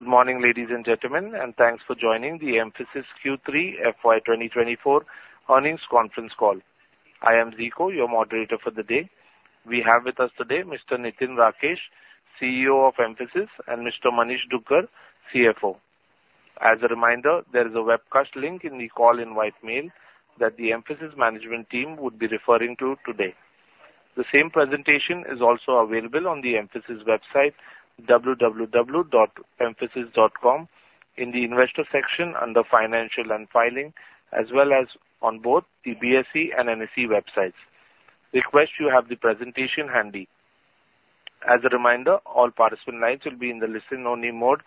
Good morning, ladies and gentlemen, and thanks for joining the Mphasis Q3 FY 2024 earnings conference call. I am Rico, your moderator for the day. We have with us today Mr. Nitin Rakesh, CEO of Mphasis, and Mr. Manish Dugar, CFO. As a reminder, there is a webcast link in the call invite mail that the Mphasis management team would be referring to today. The same presentation is also available on the Mphasis website, www.mphasis.com, in the investor section under Financial and Filing, as well as on both the BSE and NSE websites. Request you have the presentation handy. As a reminder, all participant lines will be in the listen-only mode,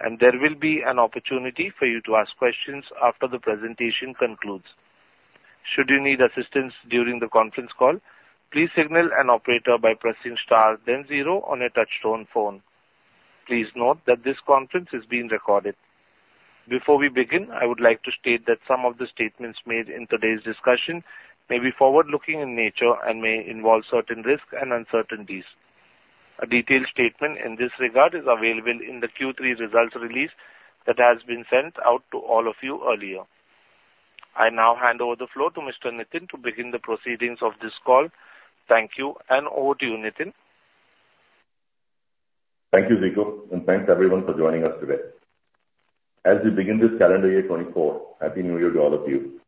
and there will be an opportunity for you to ask questions after the presentation concludes. Should you need assistance during the conference call, please signal an operator by pressing star then zero on your touchtone phone. Please note that this conference is being recorded. Before we begin, I would like to state that some of the statements made in today's discussion may be forward-looking in nature and may involve certain risks and uncertainties. A detailed statement in this regard is available in the Q3 results release that has been sent out to all of you earlier. I now hand over the floor to Mr. Nitin to begin the proceedings of this call. Thank you, and over to you, Nitin. Thank you, Rico, and thanks, everyone, for joining us today. As we begin this calendar year 2024, Happy New Year to all of you.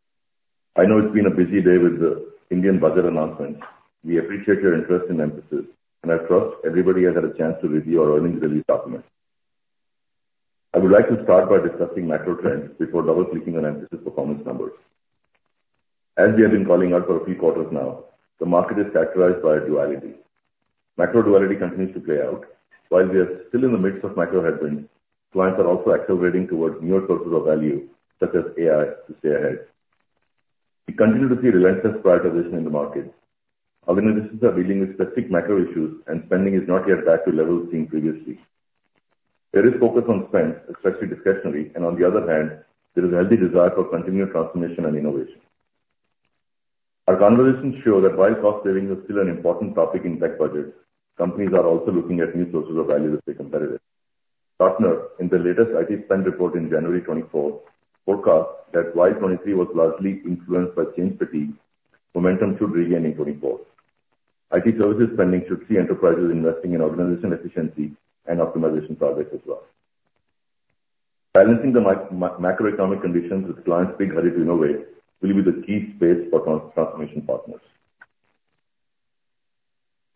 I know it's been a busy day with the Indian budget announcements. We appreciate your interest in Mphasis, and I trust everybody has had a chance to review our earnings release document. I would like to start by discussing macro trends before double-clicking on Mphasis performance numbers. As we have been calling out for a few quarters now, the market is characterized by a duality. Macro duality continues to play out. While we are still in the midst of macro headwinds, clients are also accelerating towards newer sources of value, such as AI, to stay ahead. We continue to see relentless prioritization in the market. Organizations are dealing with specific macro issues, and spending is not yet back to levels seen previously. There is focus on spend, especially discretionary, and on the other hand, there is a healthy desire for continued transformation and innovation. Our conversations show that while cost savings are still an important topic in tech budgets, companies are also looking at new sources of value to stay competitive. Gartner, in the latest IT spend report in January 2024, forecast that while 2023 was largely influenced by change fatigue, momentum should regain in going forward. IT services spending should see enterprises investing in organization efficiency and optimization projects as well. Balancing the macroeconomic conditions with clients' big hurry to innovate will be the key space for transformation partners.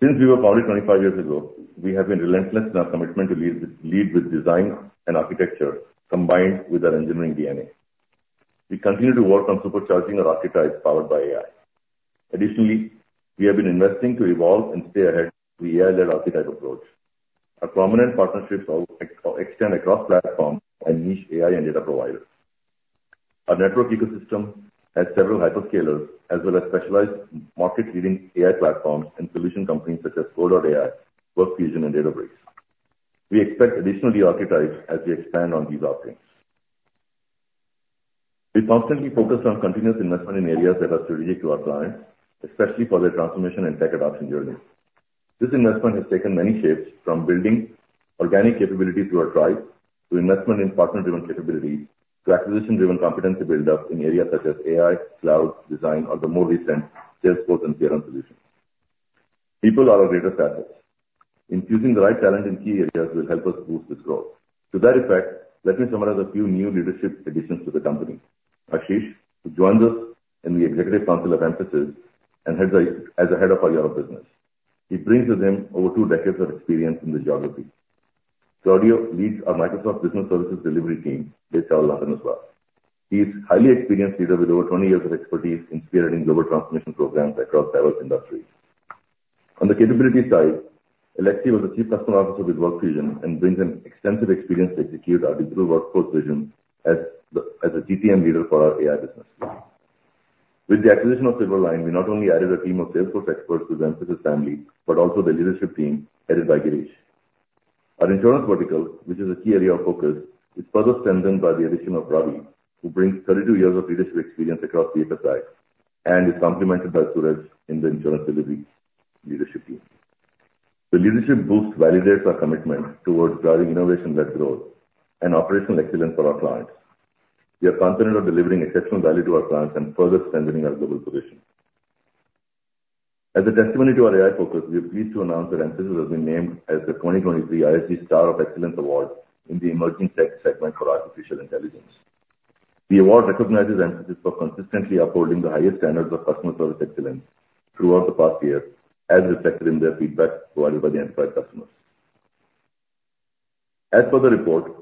Since we were founded 25 years ago, we have been relentless in our commitment to lead with design and architecture, combined with our engineering DNA. We continue to work on supercharging our archetypes, powered by AI. Additionally, we have been investing to evolve and stay ahead through the AI-led archetype approach. Our prominent partnerships are, extend across platforms and niche AI and data providers. Our network ecosystem has several hyperscalers as well as specialized market-leading AI platforms and solution companies such as Code.AI, WorkFusion, and Databricks. We expect additional new archetypes as we expand on these offerings. We constantly focus on continuous investment in areas that are strategic to our clients, especially for their transformation and tech adoption journey. This investment has taken many shapes, from building organic capability through our tribe, to investment in partner-driven capabilities, to acquisition-driven competency build-up in areas such as AI, cloud, design, or the more recent Salesforce and CRM solutions. People are our greatest assets. Infusing the right talent in key areas will help us boost this growth. To that effect, let me summarize a few new leadership additions to the company. Ashish, who joins us in the Executive Council of Mphasis, as the Head of our Europe business. He brings with him over two decades of experience in this geography. Claudio leads our Microsoft Business Services delivery team based out of London as well. He is a highly experienced leader with over 20 years of expertise in spearheading global transformation programs across several industries. On the capability side, Alexey was the Chief Customer Officer at WorkFusion and brings in extensive experience to execute our digital workforce vision as a GTM leader for our AI business. With the acquisition of Silverline, we not only added a team of Salesforce experts to the Mphasis family, but also the leadership team, headed by Girish. Our insurance vertical, which is a key area of focus, is further strengthened by the addition of Ravi, who brings 32 years of leadership experience across the BFSI and is complemented by Surej in the Insurance Delivery leadership team. The leadership boost validates our commitment toward driving innovation-led growth and operational excellence for our clients. We are confident of delivering exceptional value to our clients and further strengthening our global position. As a testimony to our AI focus, we are pleased to announce that Mphasis has been named as the 2023 ISG Star of Excellence Award in the Emerging Tech segment for Artificial Intelligence. The award recognizes Mphasis for consistently upholding the highest standards of customer service excellence throughout the past year, as reflected in their feedback provided by the Mphasis customers. As per the report,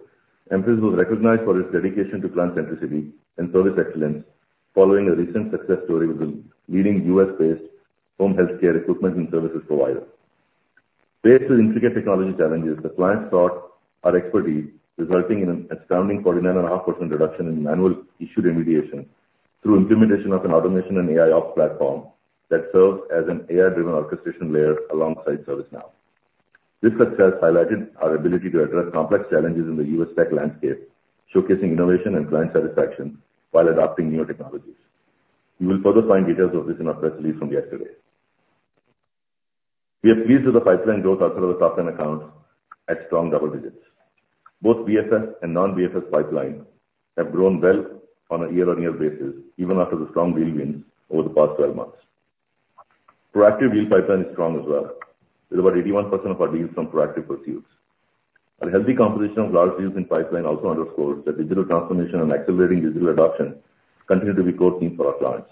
Mphasis was recognized for its dedication to client centricity and service excellence following a recent success story with a leading U.S.-based home healthcare equipment and services provider. Faced with intricate technology challenges, the client sought our expertise, resulting in an astounding 49.5% reduction in manual issue remediation through implementation of an automation and AIOps platform that serves as an AI-driven orchestration layer alongside ServiceNow. This success highlighted our ability to address complex challenges in the U.S. tech landscape, showcasing innovation and client satisfaction while adopting newer technologies. You will further find details of this in our press release from yesterday. We are pleased with the pipeline growth outside of the top 10 accounts at strong double digits. Both BFS and non-BFS pipeline have grown well on a year-on-year basis, even after the strong deal wins over the past 12 months. Proactive deal pipeline is strong as well, with about 81% of our deals from proactive pursuits. A healthy composition of large deals in pipeline also underscores that digital transformation and accelerating digital adoption continue to be core themes for our clients.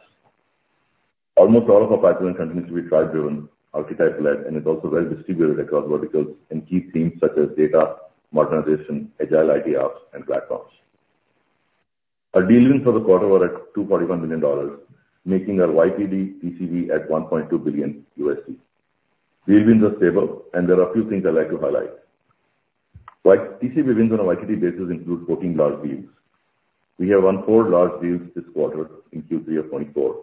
Almost all of our pipeline continues to be cloud driven, archetype-led, and is also well distributed across verticals and key themes such as data, Agile IT Ops, and platforms. Our deal wins for the quarter were at $2.1 billion, making our YTD TCV at $1.2 billion. Deal wins are stable, and there are a few things I'd like to highlight. Like TCV wins on a YTD basis include 14 large deals. We have won four large deals this quarter in Q3 of 2024.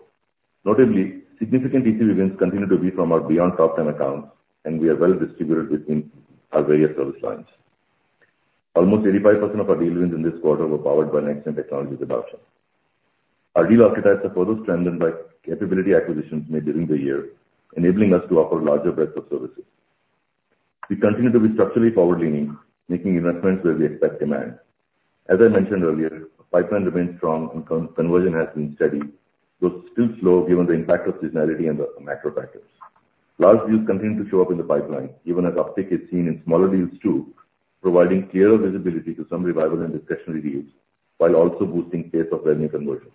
Notably, significant TCV wins continue to be from our beyond top ten accounts, and we are well distributed within our various service lines. Almost 85% of our deal wins in this quarter were powered by next-gen technology adoption. Our deal archetypes are further strengthened by capability acquisitions made during the year, enabling us to offer larger breadth of services. We continue to be structurally forward-leaning, making investments where we expect demand. As I mentioned earlier, pipeline remains strong and conversion has been steady, though still slow given the impact of seasonality and the macro factors. Large deals continue to show up in the pipeline, even as uptick is seen in smaller deals, too, providing clearer visibility to some revival and discretionary deals, while also boosting pace of revenue conversion.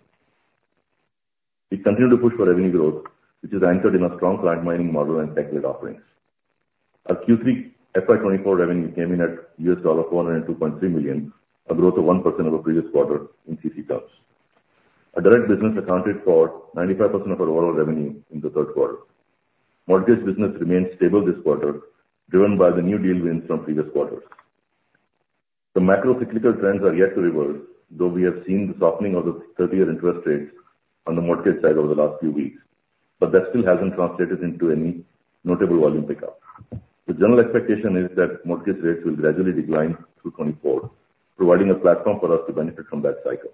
We continue to push for revenue growth, which is anchored in a strong client mining model and tech-led offerings. Our Q3 FY 2024 revenue came in at $402.3 million, a growth of 1% over previous quarter in CC terms. Our direct business accounted for 95% of our overall revenue in the third quarter. Mortgage business remained stable this quarter, driven by the new deal wins from previous quarters. The macro cyclical trends are yet to reverse, though we have seen the softening of the 30-year interest rates on the mortgage side over the last few weeks, but that still hasn't translated into any notable volume pickup. The general expectation is that mortgage rates will gradually decline through 2024, providing a platform for us to benefit from that cycle.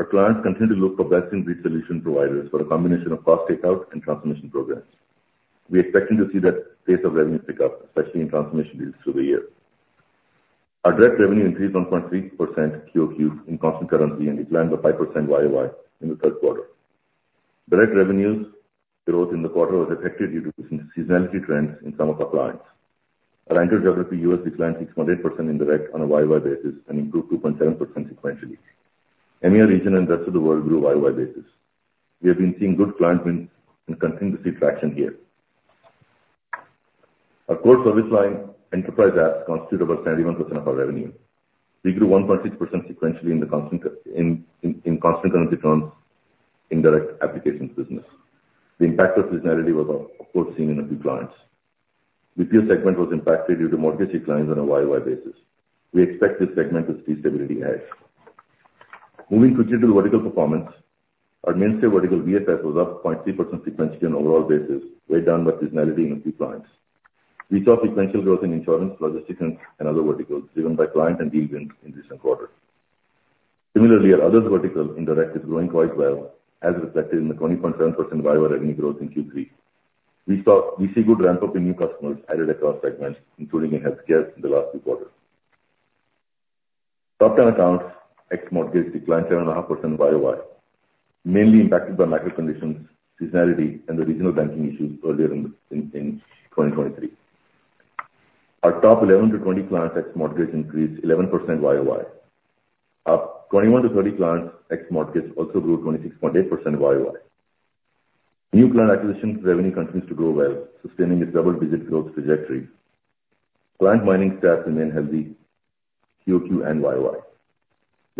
Our clients continue to look for best-in-breed solution providers for a combination of cost takeout and transformation programs. We are expecting to see that pace of revenue pick up, especially in transformation deals through the year. Our direct revenue increased 1.3% QoQ in constant currency and declined by 5% YoY in the third quarter. Direct revenues growth in the quarter was affected due to seasonality trends in some of our clients. Our anchor geography, U.S., declined 6.8% in direct on a YoY basis and improved 2.7% sequentially. EMEA region and rest of the world grew YoY basis. We have been seeing good client wins and continue to see traction here. Our core service line, enterprise apps, constitute about 91% of our revenue. We grew 1.6% sequentially in constant currency terms in direct applications business. The impact of seasonality was, of course, seen in a few clients. BPO segment was impacted due to mortgage declines on a YoY basis. We expect this segment to see stability ahead. Moving quickly to the vertical performance, our mainstay vertical, BFSI, was up 0.3% sequentially on overall basis, weighed down by seasonality in a few clients. We saw sequential growth in insurance, logistics, and other verticals, driven by client and deal wins in recent quarter. Similarly, our others vertical in direct is growing quite well, as reflected in the 21% YoY revenue growth in Q3. We see good ramp-up in new customers added across segments, including in healthcare in the last few quarters. Top 10 accounts, ex mortgage, declined 10.5% YoY, mainly impacted by macro conditions, seasonality, and the regional banking issues earlier in the 2023. Our top 11 to 20 clients, ex mortgage, increased 11% YoY. Our 21 to 30 clients, ex mortgage, also grew 26.8% YoY. New client acquisitions revenue continues to grow well, sustaining its double-digit growth trajectory. Client mining stats remain healthy, QoQ and YoY.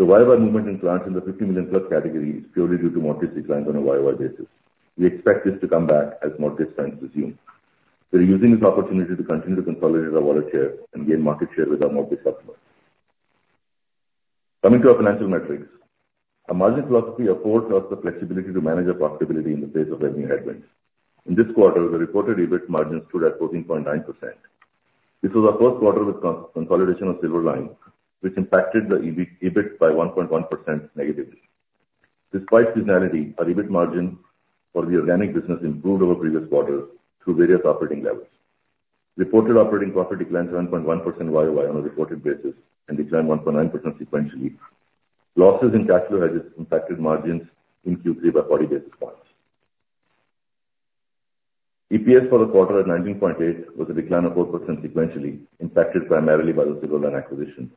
The YoY movement in clients in the 50 million+ category is purely due to mortgage declines on a YoY basis. We expect this to come back as mortgage trends resume. We are using this opportunity to continue to consolidate our market share and gain market share with our mortgage customers. Coming to our financial metrics. Our margin philosophy affords us the flexibility to manage our profitability in the face of revenue headwinds. In this quarter, the reported EBIT margin stood at 14.9%. This was our first quarter with consolidation of Silverline, which impacted the EBIT by 1.1% negatively. Despite seasonality, our EBIT margin for the organic business improved over previous quarters through various operating levels. Reported operating profit declined 1.1% YoY on a reported basis and declined 1.9% sequentially. Losses in cash flow hedges impacted margins in Q3 by 40 basis points. EPS for the quarter at 19.8 was a decline of 4% sequentially, impacted primarily by the Silverline acquisition.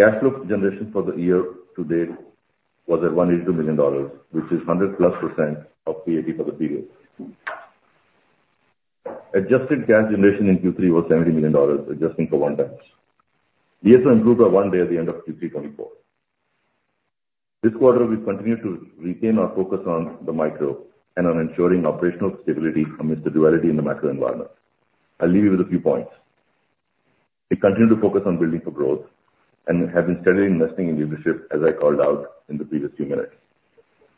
Cash flow generation for the year to date was at $182 million, which is 100+% of PAT for the period. Adjusted cash generation in Q3 was $70 million, adjusting for one-times. DSO improved by one day at the end of Q3 2024. This quarter, we continue to retain our focus on the micro and on ensuring operational stability amidst the duality in the macro environment. I'll leave you with a few points. We continue to focus on building for growth and have been steadily investing in leadership, as I called out in the previous few minutes.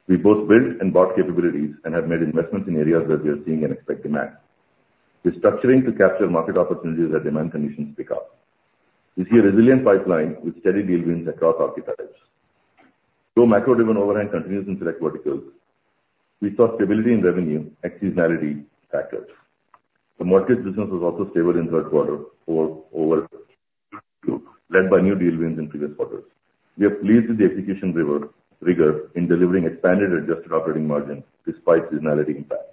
We both built and bought capabilities and have made investments in areas where we are seeing and expect demand. We're structuring to capture market opportunities as demand conditions pick up. We see a resilient pipeline with steady deal wins across archetypes. Though macro-driven overhang continues in select verticals, we saw stability in revenue and seasonality factors. The mortgage business was also stable in third quarter, led by new deal wins in previous quarters. We are pleased with the execution rigor in delivering expanded adjusted operating margin despite seasonality impact.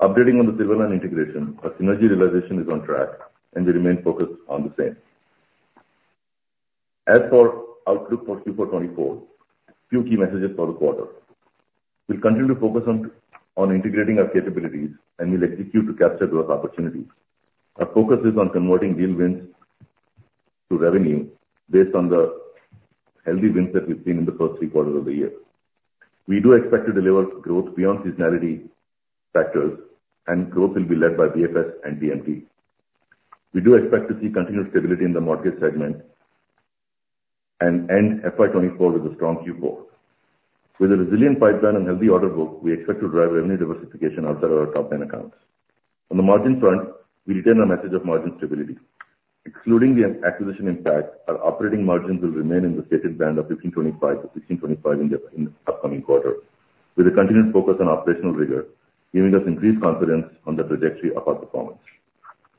Updating on the Silverline integration, our synergy realization is on track, and we remain focused on the same. As for outlook for Q4 2024, a few key messages for the quarter. We'll continue to focus on integrating our capabilities and we'll execute to capture growth opportunities. Our focus is on converting deal wins to revenue based on the healthy wins that we've seen in the first three quarters of the year. We do expect to deliver growth beyond seasonality factors, and growth will be led by BFS and TMT. We do expect to see continued stability in the mortgage segment and end FY 2024 with a strong Q4. With a resilient pipeline and healthy order book, we expect to drive revenue diversification outside our top 10 accounts. On the margin front, we retain our message of margin stability. Excluding the acquisition impact, our operating margins will remain in the stated band of 15.25%-16.25% in the upcoming quarter, with a continued focus on operational rigor, giving us increased confidence on the trajectory of our performance.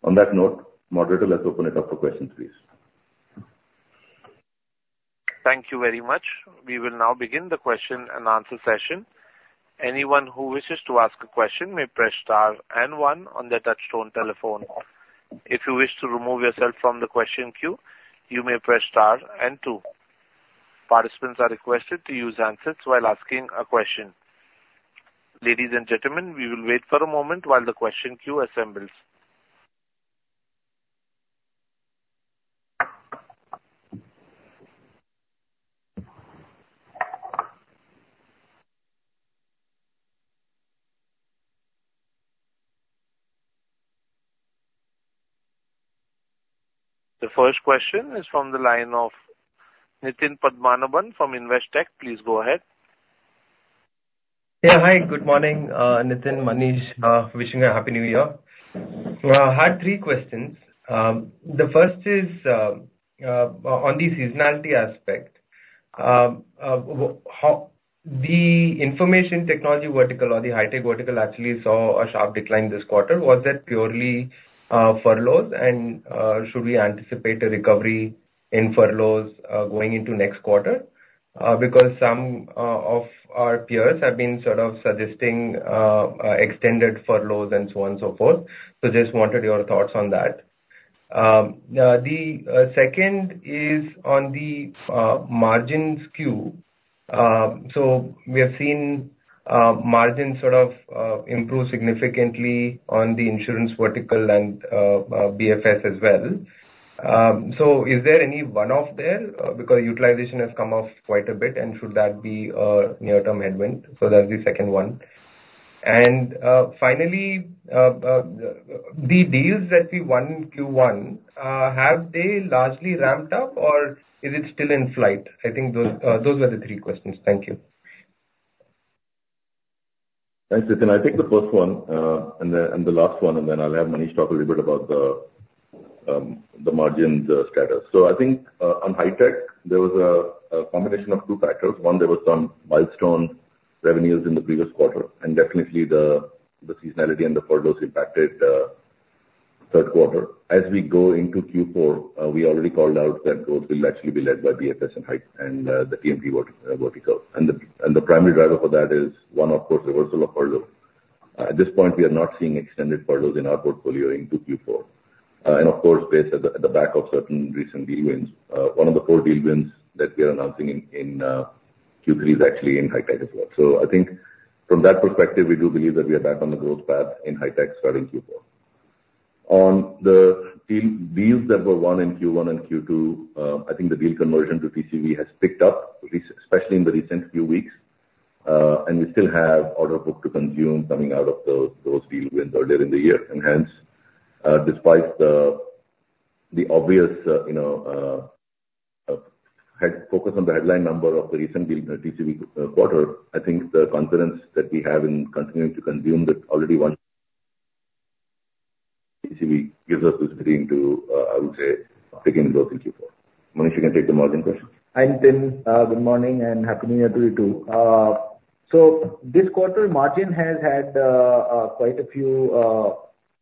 On that note, moderator, let's open it up for questions, please. Thank you very much. We will now begin the question and answer session. Anyone who wishes to ask a question may press star and one on their touchtone telephone. If you wish to remove yourself from the question queue, you may press star and two. Participants are requested to use handsets while asking a question. Ladies and gentlemen, we will wait for a moment while the question queue assembles. The first question is from the line of Nitin Padmanabhan from Investec. Please go ahead. Yeah. Hi, good morning, Nitin, Manish. Wishing a Happy New Year. I had three questions. The first is on the seasonality aspect. How the information technology vertical or the high-tech vertical actually saw a sharp decline this quarter. Was that purely furloughs? And should we anticipate a recovery in furloughs going into next quarter? Because some of our peers have been sort of suggesting extended furloughs and so on and so forth. So just wanted your thoughts on that. The second is on the margins Q. So we have seen margins sort of improve significantly on the insurance vertical and BFS as well. So is there any one-off there? Because utilization has come off quite a bit, and should that be a near-term headwind? So that's the second one. And, finally, the deals that we won in Q1, have they largely ramped up or is it still in flight? I think those are the three questions. Thank you. Thanks, Nitin. I'll take the first one, and the last one, and then I'll have Manish talk a little bit about the margins status. So I think on high tech, there was a combination of two factors. One, there was some milestone revenues in the previous quarter, and definitely the seasonality and the furloughs impacted third quarter. As we go into Q4, we already called out that growth will actually be led by BFS and high tech, and the TMT vertical. And the primary driver for that is one, of course, reversal of furloughs. At this point, we are not seeing extended furloughs in our portfolio into Q4. And of course, based at the back of certain recent deal wins. One of the four deal wins that we are announcing in Q3 is actually in high tech as well. So I think from that perspective, we do believe that we are back on the growth path in high tech starting Q4. On the deals that were won in Q1 and Q2, I think the deal conversion to TCV has picked up, at least, especially in the recent few weeks. And we still have order book to consume coming out of those deal wins earlier in the year. And hence, despite the obvious, you know, heavy focus on the headline number of the recent deal TCV quarter, I think the confidence that we have in continuing to consume the already won TCV gives us the freedom to, I would say, begin well in Q4. Manish, you can take the margin question. Hi, Nitin. Good morning, and happy New Year to you, too. So this quarter, margin has had quite a few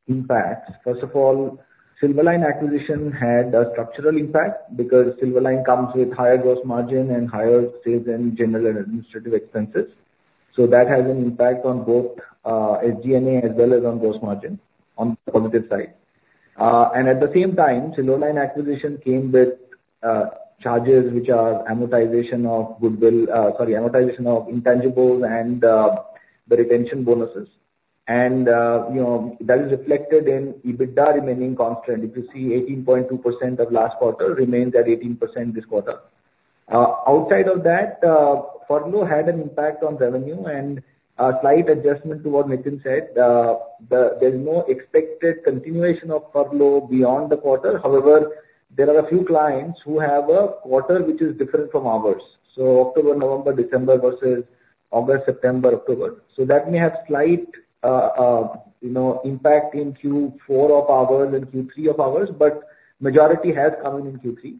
impacts. First of all, Silverline acquisition had a structural impact, because Silverline comes with higher gross margin and higher sales, and general and administrative expenses. So that has an impact on both SG&A as well as on gross margin, on the positive side. And at the same time, Silverline acquisition came with charges which are amortization of goodwill, sorry, amortization of intangibles and the retention bonuses. And you know, that is reflected in EBITDA remaining constant. If you see 18.2% of last quarter remains at 18% this quarter. Outside of that, furlough had an impact on revenue and a slight adjustment to what Nitin said. There's no expected continuation of furlough beyond the quarter. However, there are a few clients who have a quarter which is different from ours, so October, November, December versus August, September, October. So that may have slight, you know, impact in Q4 of ours and Q3 of ours, but majority has come in in Q3.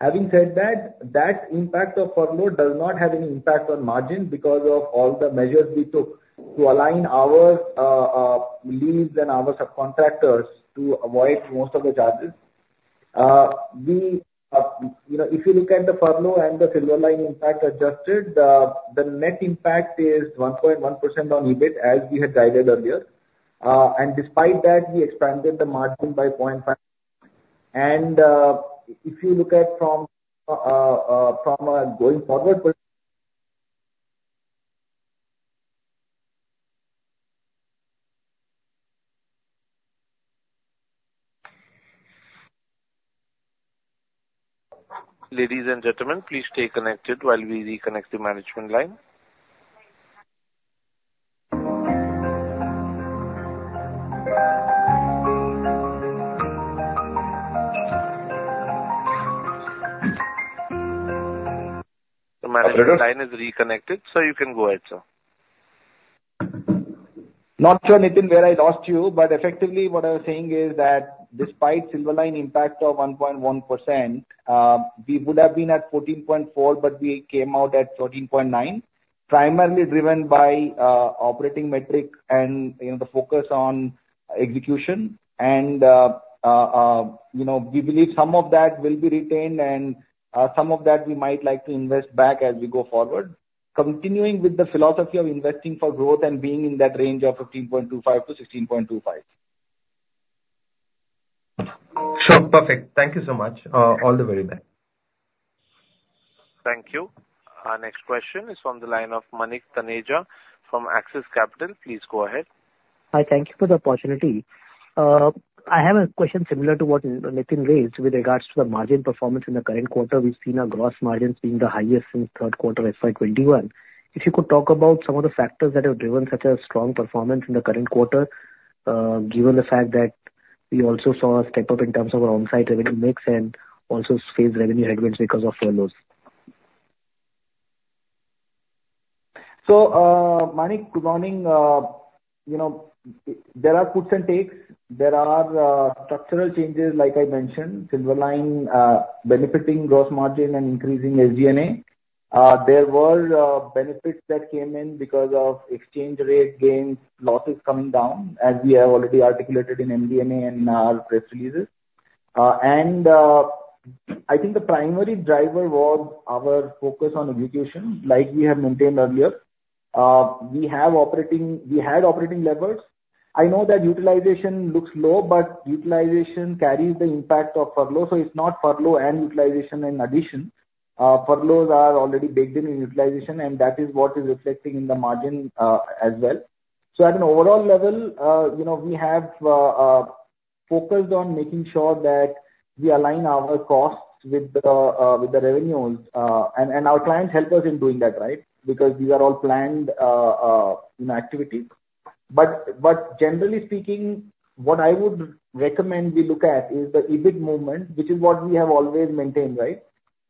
Having said that, that impact of furlough does not have any impact on margin because of all the measures we took to align our leads and our subcontractors to avoid most of the charges. We, you know, if you look at the furlough and the Silverline impact adjusted, the net impact is 1.1% on EBIT, as we had guided earlier. Despite that, we expanded the margin by 0.5%. If you look at from a going forward per- Ladies and gentlemen, please stay connected while we reconnect the management line. The management line is reconnected, so you can go ahead, sir. Not sure, Nitin, where I lost you, but effectively what I was saying is that despite Silverline impact of 1.1%, we would have been at 14.4%, but we came out at 13.9%, primarily driven by operating metrics and, you know, the focus on execution. We believe some of that will be retained and some of that we might like to invest back as we go forward, continuing with the philosophy of investing for growth and being in that range of 15.25%-16.25%. Sure. Perfect. Thank you so much. All the very best. Thank you. Our next question is from the line of Manik Taneja from Axis Capital. Please go ahead. Hi. Thank you for the opportunity. I have a question similar to what Nitin raised with regards to the margin performance in the current quarter. We've seen our gross margins being the highest since third quarter FY 2021. If you could talk about some of the factors that have driven such a strong performance in the current quarter, given the fact that we also saw a step up in terms of onsite revenue mix and also phased revenue headwinds because of furloughs? So, Manik, good morning. You know, there are puts and takes. There are structural changes, like I mentioned, Silverline, benefiting gross margin and increasing SG&A. There were benefits that came in because of exchange rate gains, losses coming down, as we have already articulated in MD&A and our press releases. And, I think the primary driver was our focus on execution, like we have maintained earlier. We have operating-- we had operating levers. I know that utilization looks low, but utilization carries the impact of furlough, so it's not furlough and utilization in addition. Furloughs are already baked in, in utilization, and that is what is reflecting in the margin, as well. So at an overall level, you know, we have focused on making sure that we align our costs with the revenues, and our clients help us in doing that, right? Because these are all planned, you know, activities. But generally speaking, what I would recommend we look at is the EBIT movement, which is what we have always maintained, right?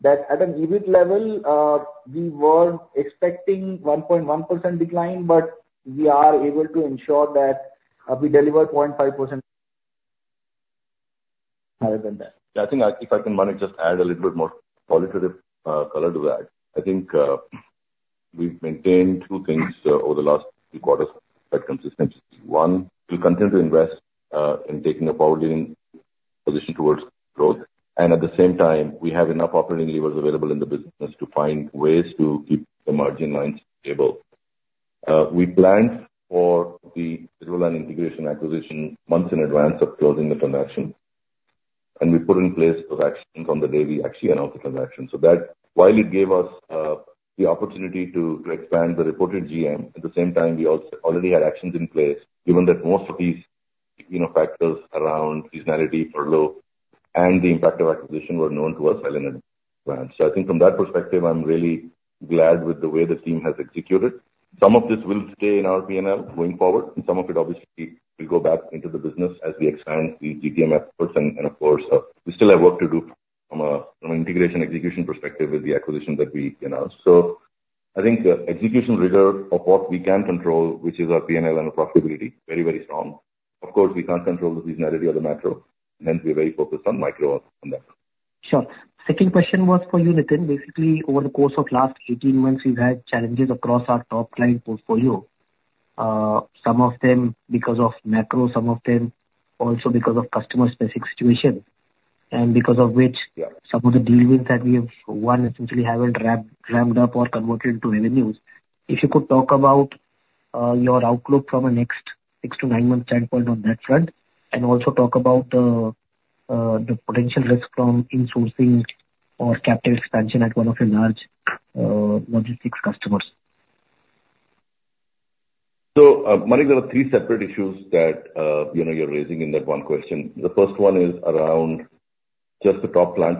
That at an EBIT level, we were expecting 1.1% decline, but we are able to ensure that we deliver 0.5% higher than that. Yeah, I think, if I can, Manik, just add a little bit more qualitative color to that. I think we've maintained two things over the last few quarters that consistency. One, we'll continue to invest in taking a pioneering position towards growth, and at the same time, we have enough operating levers available in the business to find ways to keep the margin lines stable. We planned for the digital and integration acquisition months in advance of closing the transaction, and we put in place action from the day we actually announced the transaction. So that, while it gave us the opportunity to expand the reported GM, at the same time, we also already had actions in place, given that most of these, you know, factors around seasonality, furlough, and the impact of acquisition were known to us well in advance. So I think from that perspective, I'm really glad with the way the team has executed. Some of this will stay in our P&L going forward, and some of it obviously will go back into the business as we expand the GM efforts. And of course, we still have work to do from an integration execution perspective with the acquisition that we announced. So I think execution reserve of what we can control, which is our P&L and profitability, very, very strong. Of course, we can't control the seasonality or the macro, hence we're very focused on micro on that. Sure. Second question was for you, Nitin. Basically, over the course of last 18 months, we've had challenges across our top client portfolio. Some of them because of macro, some of them also because of customer-specific situations, and because of which- Yeah. Some of the dealings that we have, one, essentially haven't ramped up or converted into revenues. If you could talk about your outlook from a next six- to nine-month standpoint on that front, and also talk about the potential risk from insourcing or capital expansion at one of your large logistics customers. So, Manik, there are three separate issues that, you know, you're raising in that one question. The first one is around just the top line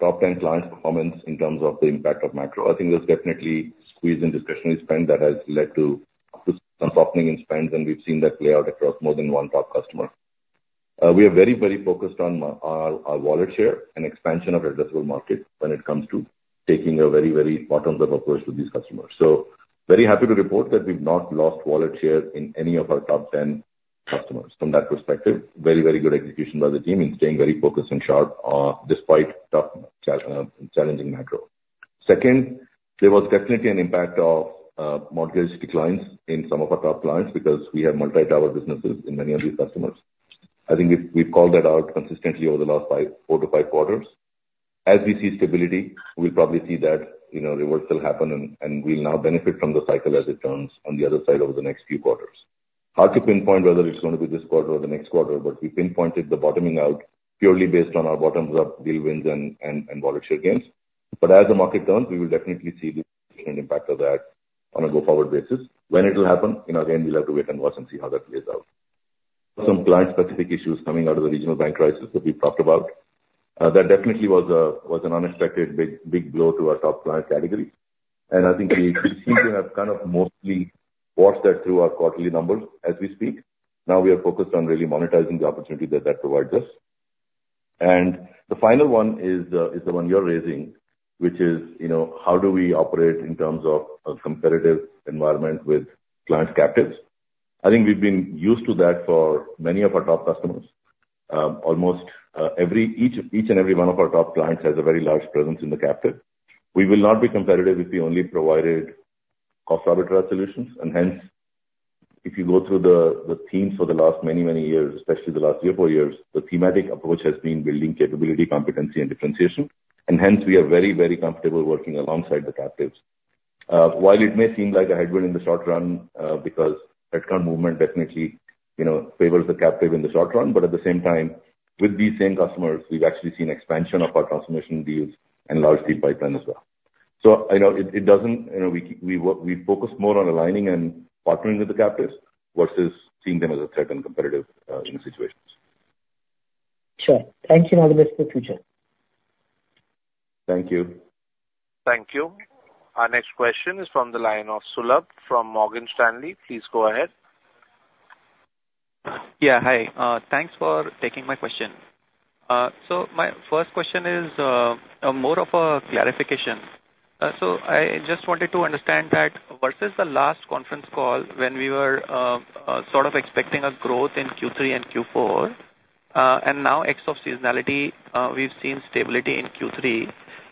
top ten clients' performance in terms of the impact of macro. I think there's definitely squeeze in discretionary spend that has led to some softening in spends, and we've seen that play out across more than one top customer. We are very, very focused on our, our wallet share and expansion of addressable market when it comes to taking a very, very bottom-up approach to these customers. So very happy to report that we've not lost wallet share in any of our top ten customers from that perspective, very, very good execution by the team in staying very focused and sharp, despite tough, challenging macro. Second, there was definitely an impact of mortgage declines in some of our top clients because we have multi-tower businesses in many of these customers. I think we've called that out consistently over the last four to five quarters. As we see stability, we'll probably see that, you know, reversal happen and we'll now benefit from the cycle as it turns on the other side over the next few quarters. Hard to pinpoint whether it's going to be this quarter or the next quarter, but we pinpointed the bottoming out purely based on our bottoms-up deal wins and volume share gains. But as the market turns, we will definitely see the impact of that on a go-forward basis. When it will happen, you know, again, we'll have to wait and watch and see how that plays out. Some client-specific issues coming out of the regional bank crisis that we've talked about. That definitely was an unexpected big blow to our top client category. And I think we seem to have kind of mostly washed that through our quarterly numbers as we speak. Now we are focused on really monetizing the opportunity that provides us. And the final one is the one you're raising, which is, you know, how do we operate in terms of a competitive environment with clients' captives? I think we've been used to that for many of our top customers. Almost every, each and every one of our top clients has a very large presence in the captive. We will not be competitive if we only provided cost arbitrage solutions, and hence, if you go through the themes for the last many, many years, especially the last three or four years, the thematic approach has been building capability, competency and differentiation. And hence, we are very, very comfortable working alongside the captives. While it may seem like a headwind in the short run, because that current movement definitely, you know, favors the captive in the short run, but at the same time, with these same customers, we've actually seen expansion of our transformation deals and large deal pipeline as well. So I know it doesn't... You know, we focus more on aligning and partnering with the captives versus seeing them as a threat and competitive in situations. Sure. Thank you and all the best for the future. Thank you. Thank you. Our next question is from the line of Sulabh from Morgan Stanley. Please go ahead. Yeah, hi. Thanks for taking my question. So my first question is more of a clarification. So I just wanted to understand that versus the last conference call when we were sort of expecting a growth in Q3 and Q4, and now ex of seasonality, we've seen stability in Q3.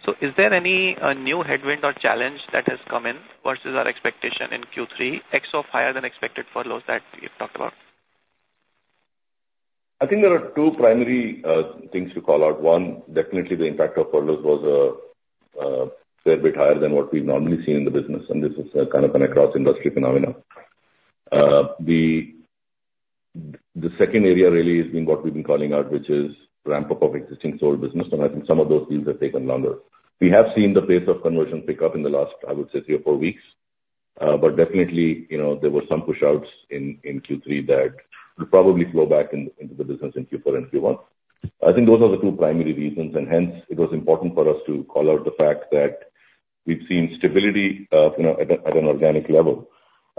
So is there any new headwind or challenge that has come in versus our expectation in Q3, ex of higher than expected furloughs that we've talked about? I think there are two primary things to call out. One, definitely the impact of furloughs was a fair bit higher than what we've normally seen in the business, and this is kind of an across industry phenomena. The second area really has been what we've been calling out, which is ramp-up of existing sold business, and I think some of those deals have taken longer. We have seen the pace of conversion pick up in the last, I would say, three or four weeks. But definitely, you know, there were some push outs in Q3 that will probably flow back in, into the business in Q4 and Q1. I think those are the two primary reasons, and hence, it was important for us to call out the fact that we've seen stability, you know, at an organic level.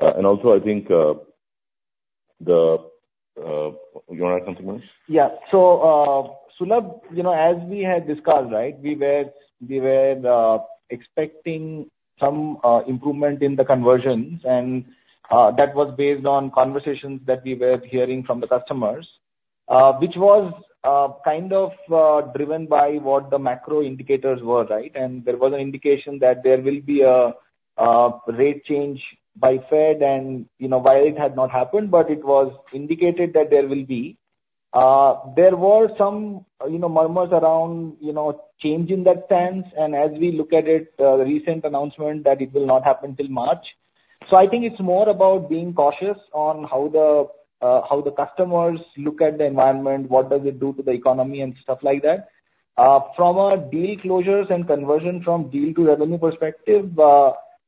And also, I think the... You want to add something more? Yeah. So, Sulabh, you know, as we had discussed, right, we were expecting some improvement in the conversions, and that was based on conversations that we were hearing from the customers, which was kind of driven by what the macro indicators were, right? And there was an indication that there will be a rate change by Fed and, you know, while it had not happened, but it was indicated that there will be. There were some, you know, murmurs around, you know, change in that stance, and as we look at it, the recent announcement that it will not happen till March. So I think it's more about being cautious on how the customers look at the environment, what does it do to the economy and stuff like that. From a deal closures and conversion from deal to revenue perspective,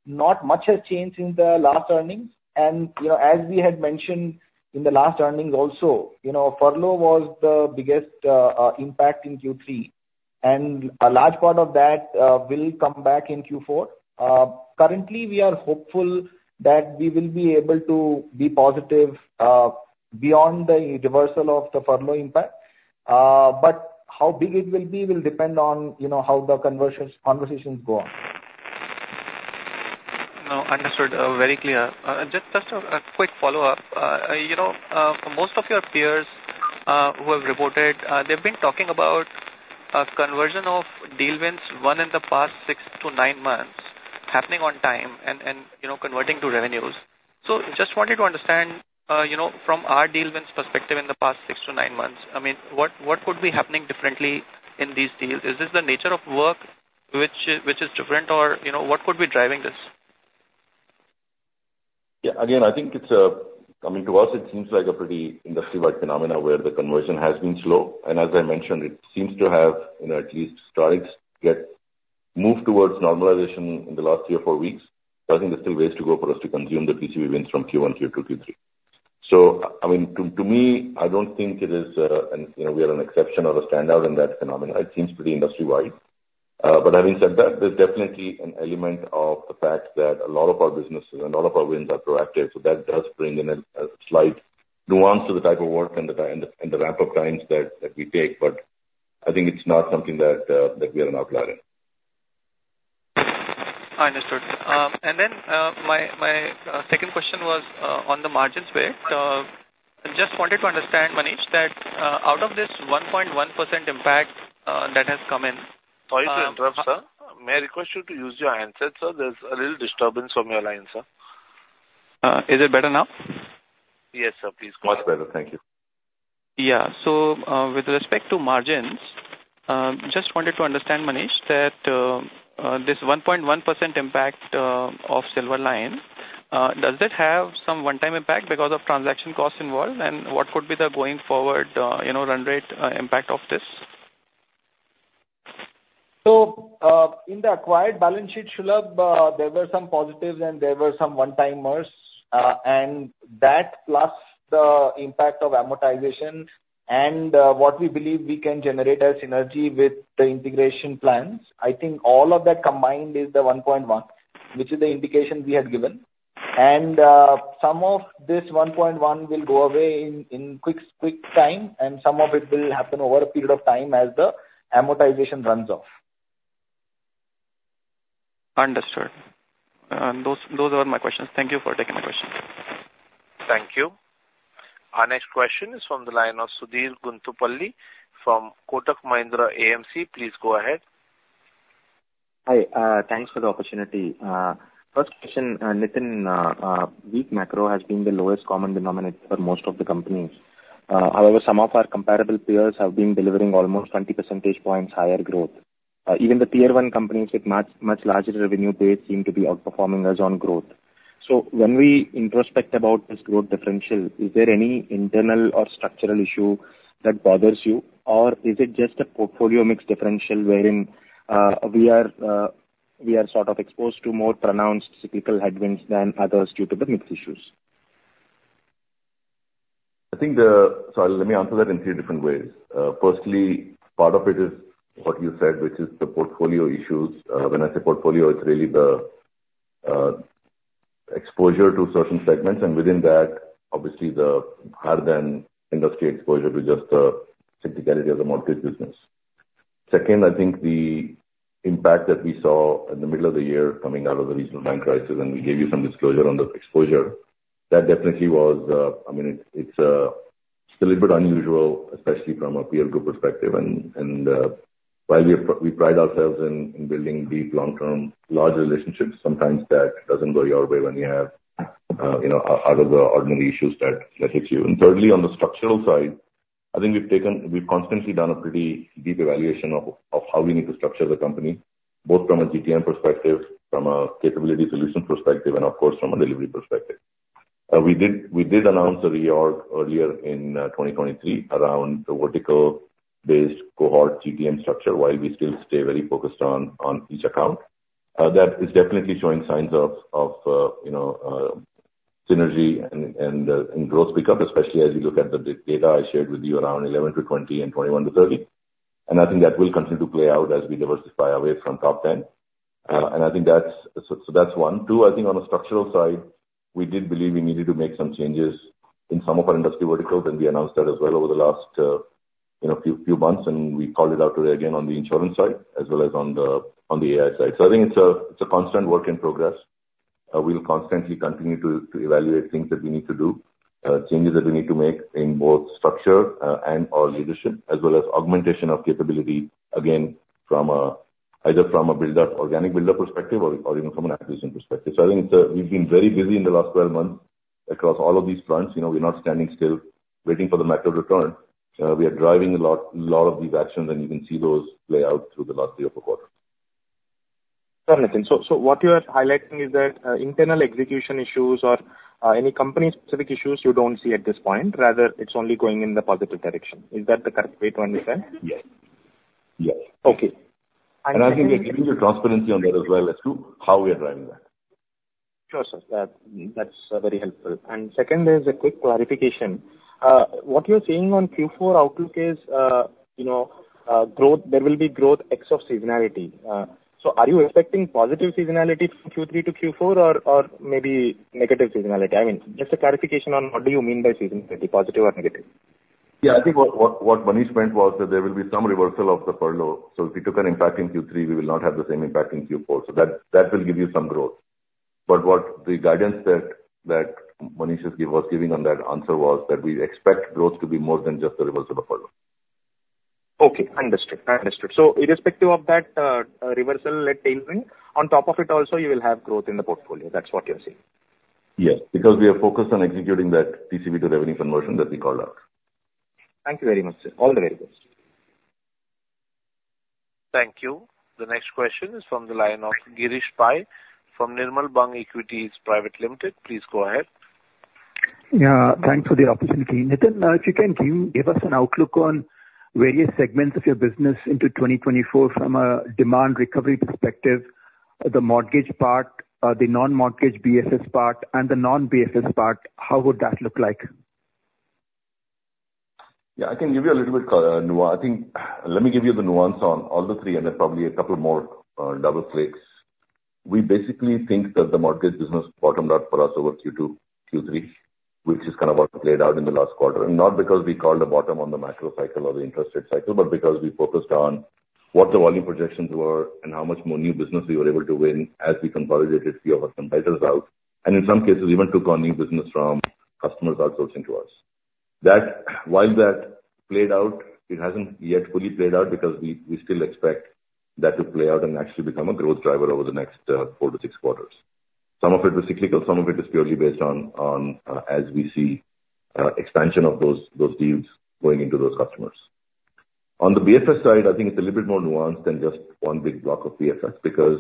not much has changed since the last earnings. You know, as we had mentioned in the last earnings also, you know, furlough was the biggest impact in Q3, and a large part of that will come back in Q4. Currently, we are hopeful that we will be able to be positive beyond the reversal of the furlough impact. But how big it will be will depend on, you know, how the conversions, conversations go on. No, understood. Very clear. Just a quick follow-up. You know, most of your peers who have reported, they've been talking about a conversion of deal wins won in the past 6-9 months happening on time and, and, you know, converting to revenues. So just wanted to understand, you know, from our deal wins perspective in the past six to nine months, I mean, what could be happening differently in these deals? Is this the nature of work which is different, or, you know, what could be driving this? Yeah, again, I think it's, I mean, to us, it seems like a pretty industry-wide phenomena where the conversion has been slow. And as I mentioned, it seems to have, you know, at least started to get moved towards normalization in the last three or four weeks, but I think there's still ways to go for us to consume the PC wins from Q1, Q2, Q3. So, I mean, to, to me, I don't think it is an exception or a standout in that phenomenon. It seems pretty industry-wide. But having said that, there's definitely an element of the fact that a lot of our businesses and a lot of our wins are proactive, so that does bring in a slight nuance to the type of work and the ramp-up times that we take, but I think it's not something that we are an outlier in. I understood. And then, my second question was on the margins bit. I just wanted to understand, Manish, that out of this 1.1% impact that has come in- Sorry to interrupt, sir. May I request you to use your handset, sir? There's a little disturbance from your line, sir. Is it better now? Yes, sir. Please go. Much better. Thank you. Yeah. So, with respect to margins, just wanted to understand, Manish, that this 1.1% impact of Silverline does it have some one-time impact because of transaction costs involved? And what could be the going forward, you know, run rate impact of this? So, in the acquired balance sheet, Sulabh, there were some positives and there were some one-timers, and that plus the impact of amortization and, what we believe we can generate as synergy with the integration plans, I think all of that combined is the 1.1, which is the indication we had given. And, some of this 1.1 will go away in, in quick, quick time, and some of it will happen over a period of time as the amortization runs off. Understood. Those, those are my questions. Thank you for taking my questions. Thank you. Our next question is from the line of Sudheer Guntupalli from Kotak Mahindra AMC. Please go ahead. Hi, thanks for the opportunity. First question, Nitin, weak macro has been the lowest common denominator for most of the companies. However, some of our comparable peers have been delivering almost 20 percentage points higher growth. Even the Tier One companies with much, much larger revenue base seem to be outperforming us on growth. So when we introspect about this growth differential, is there any internal or structural issue that bothers you? Or is it just a portfolio mix differential wherein we are sort of exposed to more pronounced cyclical headwinds than others due to the mix issues? I think the so let me answer that in three different ways. First, part of it is what you said, which is the portfolio issues. When I say portfolio, it's really the exposure to certain segments, and within that, obviously, the harder than industry exposure to just the cyclicality of the mortgage business. Second, I think the impact that we saw in the middle of the year coming out of the regional bank crisis, and we gave you some disclosure on the exposure, that definitely was. I mean, it's still a bit unusual, especially from a peer group perspective. And while we pride ourselves in building deep, long-term, large relationships, sometimes that doesn't go your way when you have, you know, out of the ordinary issues that hits you. And thirdly, on the structural side, I think we've constantly done a pretty deep evaluation of how we need to structure the company, both from a GTM perspective, from a capability solution perspective, and of course, from a delivery perspective. We did announce a reorg earlier in 2023 around the vertical-based cohort GTM structure, while we still stay very focused on each account. That is definitely showing signs of you know synergy and growth pick-up, especially as you look at the data I shared with you around 11%-20% and 21%-30%. And I think that will continue to play out as we diversify away from top 10. And I think that's. So that's one. Two, I think on the structural side, we did believe we needed to make some changes in some of our industry verticals, and we announced that as well over the last, you know, few months, and we called it out today again on the insurance side as well as on the AI side. So I think it's a constant work in progress. We'll constantly continue to evaluate things that we need to do, changes that we need to make in both structure and/or leadership, as well as augmentation of capability, again, from either from a buildup, organic buildup perspective or you know, from an acquisition perspective. So I think it's a. We've been very busy in the last 12 months across all of these fronts. You know, we're not standing still waiting for the macro to return. We are driving a lot, lot of these actions, and you can see those play out through the last three or four quarters. Sure, Nitin. So, what you are highlighting is that, internal execution issues or, any company-specific issues, you don't see at this point, rather it's only going in the positive direction. Is that the correct way to understand? Yes. Yes. Okay. I think we are giving you transparency on that as well as to how we are driving that. Sure, sir. That, that's very helpful. Second is a quick clarification. What you're saying on Q4 outlook is, you know, growth, there will be growth ex of seasonality. So are you expecting positive seasonality from Q3 to Q4 or maybe negative seasonality? I mean, just a clarification on what do you mean by seasonality, positive or negative? Yeah, I think what Manish meant was that there will be some reversal of the furlough. So if we took an impact in Q3, we will not have the same impact in Q4. So that will give you some growth. But what the guidance that Manish was giving on that answer was that we expect growth to be more than just the reversal of furlough. Okay, understood. Understood. So irrespective of that, reversal at tailwind, on top of it also, you will have growth in the portfolio. That's what you're saying? Yes, because we are focused on executing that TCV to revenue conversion that we called out. Thank you very much, sir. All the very best. Thank you. The next question is from the line of Girish Pai from Nirmal Bang Equities Private Limited. Please go ahead. Yeah, thanks for the opportunity. Nitin, if you can give us an outlook on various segments of your business into 2024 from a demand recovery perspective, the mortgage part, the non-mortgage BFS part, and the non-BFS part, how would that look like? Yeah, I can give you a little bit of nuance. I think, let me give you the nuance on all the three and then probably a couple more double clicks. We basically think that the mortgage business bottomed out for us over Q2, Q3, which is kind of what played out in the last quarter, and not because we called a bottom on the macro cycle or the interest rate cycle, but because we focused on what the volume projections were and how much more new business we were able to win as we consolidated few of our competitors out, and in some cases, even took on new business from customers outsourcing to us. That, while that played out, it hasn't yet fully played out because we, we still expect that to play out and actually become a growth driver over the next four to six quarters. Some of it is cyclical, some of it is purely based on, on, as we see, expansion of those, those deals going into those customers. On the BFS side, I think it's a little bit more nuanced than just one big block of BFS, because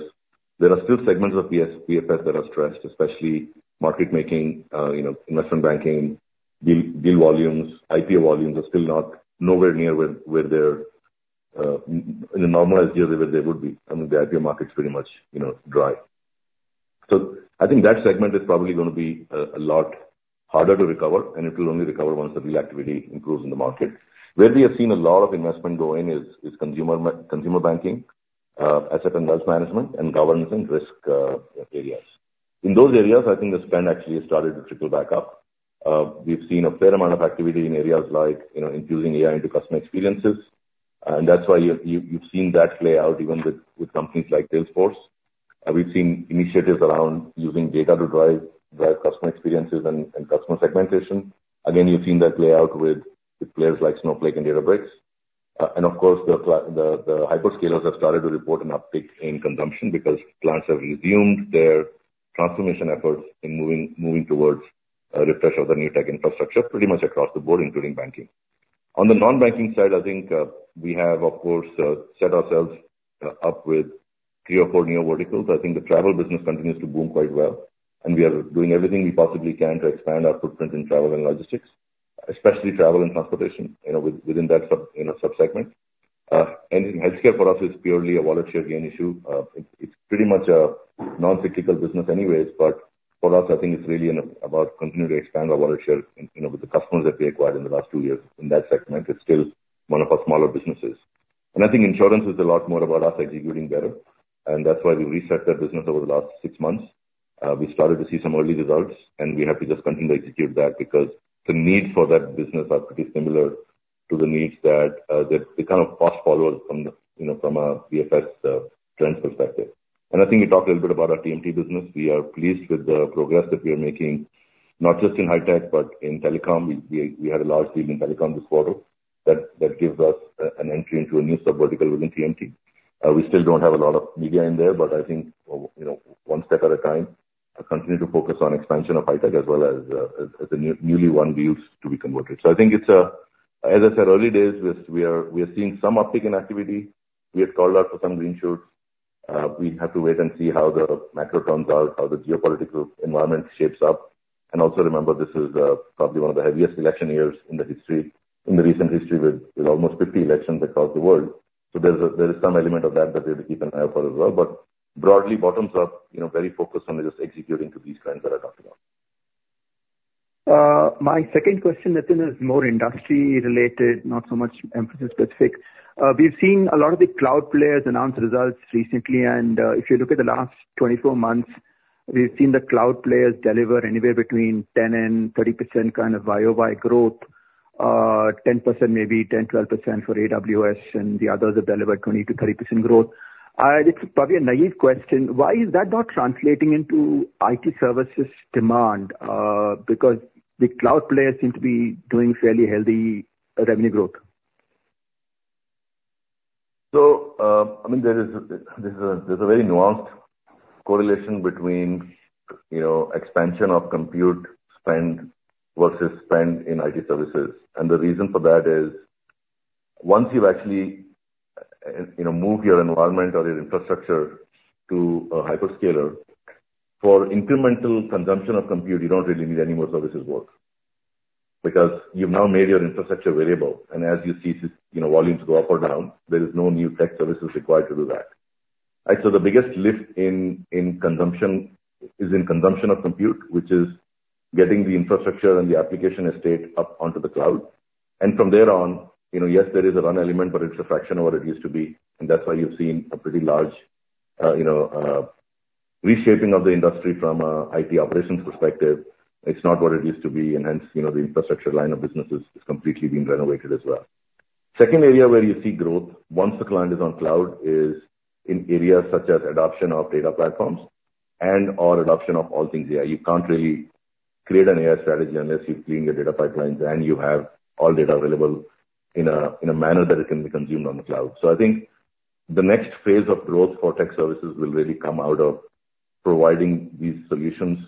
there are still segments of BFS that are stressed, especially market making, you know, investment banking, deal, deal volumes. IPO volumes are still not nowhere near where, where they're, in a normalized year, where they would be. I mean, the IPO market's pretty much, you know, dry. So I think that segment is probably gonna be, a lot harder to recover, and it will only recover once the deal activity improves in the market. Where we have seen a lot of investment go in is consumer banking, asset and wealth management, and governance and risk areas. In those areas, I think the spend actually has started to trickle back up. We've seen a fair amount of activity in areas like, you know, infusing AI into customer experiences, and that's why you've seen that play out even with companies like Salesforce. And we've seen initiatives around using data to drive customer experiences and customer segmentation. Again, you've seen that play out with players like Snowflake and Databricks. And of course, the hyperscalers have started to report an uptick in consumption because clients have resumed their transformation efforts in moving towards a refresh of the new tech infrastructure, pretty much across the board, including banking. On the non-banking side, I think, we have, of course, set ourselves up with three or four new verticals. I think the travel business continues to boom quite well, and we are doing everything we possibly can to expand our footprint in travel and logistics, especially travel and transportation, you know, within that sub, you know, sub-segment. And healthcare for us is purely a wallet share gain issue. It, it's pretty much a non-cyclical business anyways, but for us, I think it's really about continuing to expand our wallet share, you know, with the customers that we acquired in the last two years in that segment. It's still one of our smaller businesses. And I think insurance is a lot more about us executing better, and that's why we reset that business over the last six months. We started to see some early results, and we have to just continue to execute that because the need for that business are pretty similar to the needs that that they kind of fast forward from the, you know, from a BFS trends perspective. And I think you talked a little bit about our TMT business. We are pleased with the progress that we are making, not just in high tech, but in telecom. We had a large deal in telecom this quarter that gives us an entry into a new sub-vertical within TMT. We still don't have a lot of media in there, but I think, you know, one step at a time, continue to focus on expansion of high tech as well as the newly won deals to be converted. So I think it's, as I said, early days. We are, we are seeing some uptick in activity. We have called out for some green shoots. We have to wait and see how the macro turns out, how the geopolitical environment shapes up. And also, remember, this is, probably one of the heaviest election years in the history, in the recent history, with, with almost 50 elections across the world. So there's a, there is some element of that that we have to keep an eye out for as well. But broadly, bottoms up, you know, very focused on just executing to these trends that I talked about. My second question, Nitin, is more industry related, not so much Mphasis specific. We've seen a lot of the cloud players announce results recently, and, if you look at the last 24 months, we've seen the cloud players deliver anywhere between 10% and 30% kind of YoY growth. 10%, maybe 10%-12% for AWS, and the others have delivered 20%-30% growth. It's probably a naive question, why is that not translating into IT services demand? Because the cloud players seem to be doing fairly healthy revenue growth. So, I mean, there is a very nuanced correlation between, you know, expansion of compute spend versus spend in IT services. And the reason for that is, once you've actually, you know, move your environment or your infrastructure to a hyperscaler, for incremental consumption of compute, you don't really need any more services work, because you've now made your infrastructure variable, and as you see, you know, volumes go up or down, there is no new tech services required to do that. And so the biggest lift in consumption is in consumption of compute, which is getting the infrastructure and the application estate up onto the cloud. From there on, you know, yes, there is a run element, but it's a fraction of what it used to be, and that's why you've seen a pretty large, you know, reshaping of the industry from an IT operations perspective. It's not what it used to be, and hence, you know, the infrastructure line of business is completely being renovated as well. Second area where you see growth, once the client is on cloud, is in areas such as adoption of data platforms and/or adoption of all things AI. You can't really create an AI strategy unless you've cleaned your data pipelines and you have all data available in a manner that it can be consumed on the cloud. I think the next phase of growth for tech services will really come out of providing these solutions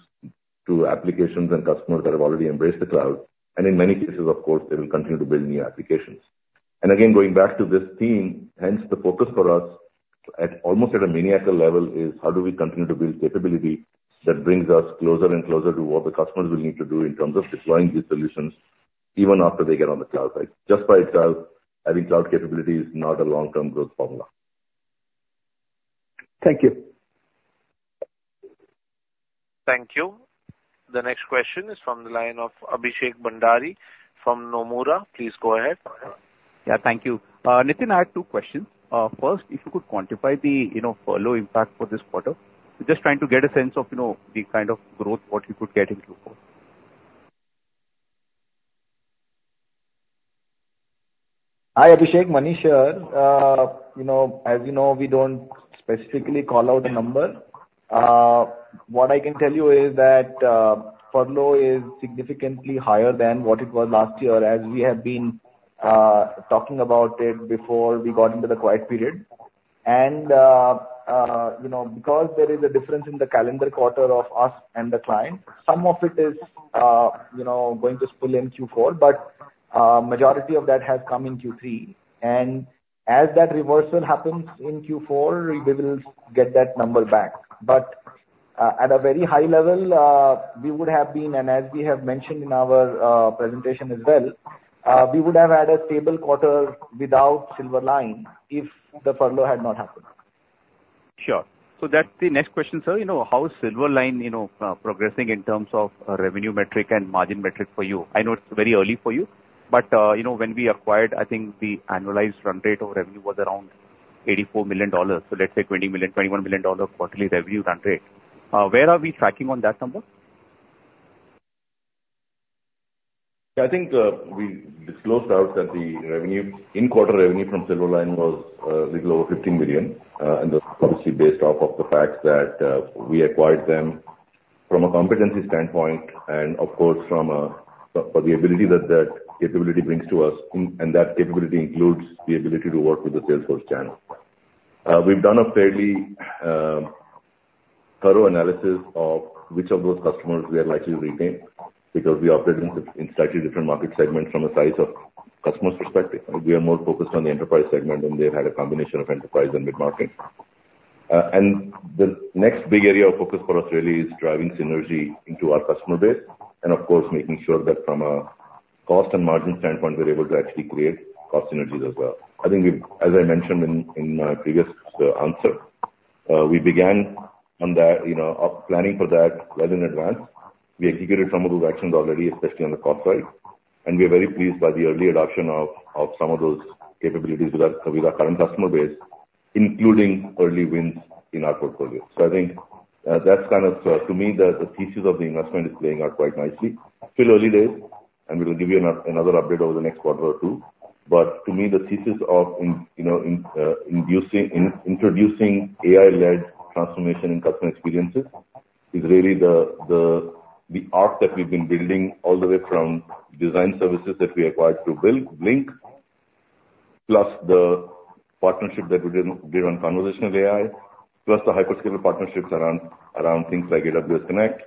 to applications and customers that have already embraced the cloud, and in many cases, of course, they will continue to build new applications. Again, going back to this theme, hence the focus for us, at, almost at a maniacal level, is how do we continue to build capability that brings us closer and closer to what the customers will need to do in terms of deploying these solutions even after they get on the cloud, right? Just by itself, having cloud capability is not a long-term growth formula. Thank you. Thank you. The next question is from the line of Abhishek Bhandari from Nomura. Please go ahead. Yeah, thank you. Nitin, I had two questions. First, if you could quantify the, you know, furlough impact for this quarter. Just trying to get a sense of, you know, the kind of growth, what you could get into for. Hi, Abhishek. Manish here. You know, as you know, we don't specifically call out a number. What I can tell you is that furlough is significantly higher than what it was last year, as we have been talking about it before we got into the quiet period. And you know, because there is a difference in the calendar quarter of us and the client, some of it is you know, going to spill in Q4, but majority of that has come in Q3. And as that reversal happens in Q4, we will get that number back. But at a very high level, we would have been, and as we have mentioned in our presentation as well, we would have had a stable quarter without Silverline if the furlough had not happened. Sure. So that's the next question, sir. You know, how is Silverline, you know, progressing in terms of revenue metric and margin metric for you? I know it's very early for you, but, you know, when we acquired, I think the annualized run rate of revenue was around $84 million. So let's say $20 million-$21 million quarterly revenue run rate. Where are we tracking on that number? I think, we disclosed out that the revenue, in quarter revenue from Silverline was, a little over $15 million. And that's obviously based off of the fact that, we acquired them from a competency standpoint and, of course, from a, for the ability that, that capability brings to us, and that capability includes the ability to work with the Salesforce channel. We've done a fairly, thorough analysis of which of those customers we are likely to retain, because we operate in in slightly different market segments from the size of customers perspective. We are more focused on the enterprise segment, and they've had a combination of enterprise and mid-market. And the next big area of focus for us really is driving synergy into our customer base and, of course, making sure that from a cost and margin standpoint, we're able to actually create cost synergies as well. I think, as I mentioned in my previous answer, we began on that, you know, planning for that well in advance. We executed some of those actions already, especially on the cost side, and we are very pleased by the early adoption of some of those capabilities with our current customer base, including early wins in our portfolio. So I think, that's kind of, to me, the thesis of the investment is playing out quite nicely. Still early days, and we will give you another update over the next quarter or two. But to me, the thesis of, you know, introducing AI-led transformation in customer experiences is really the arc that we've been building all the way from design services that we acquired to build Blink, plus the partnership that we did on conversational AI, plus the hyperscaler partnerships around things like AWS Connect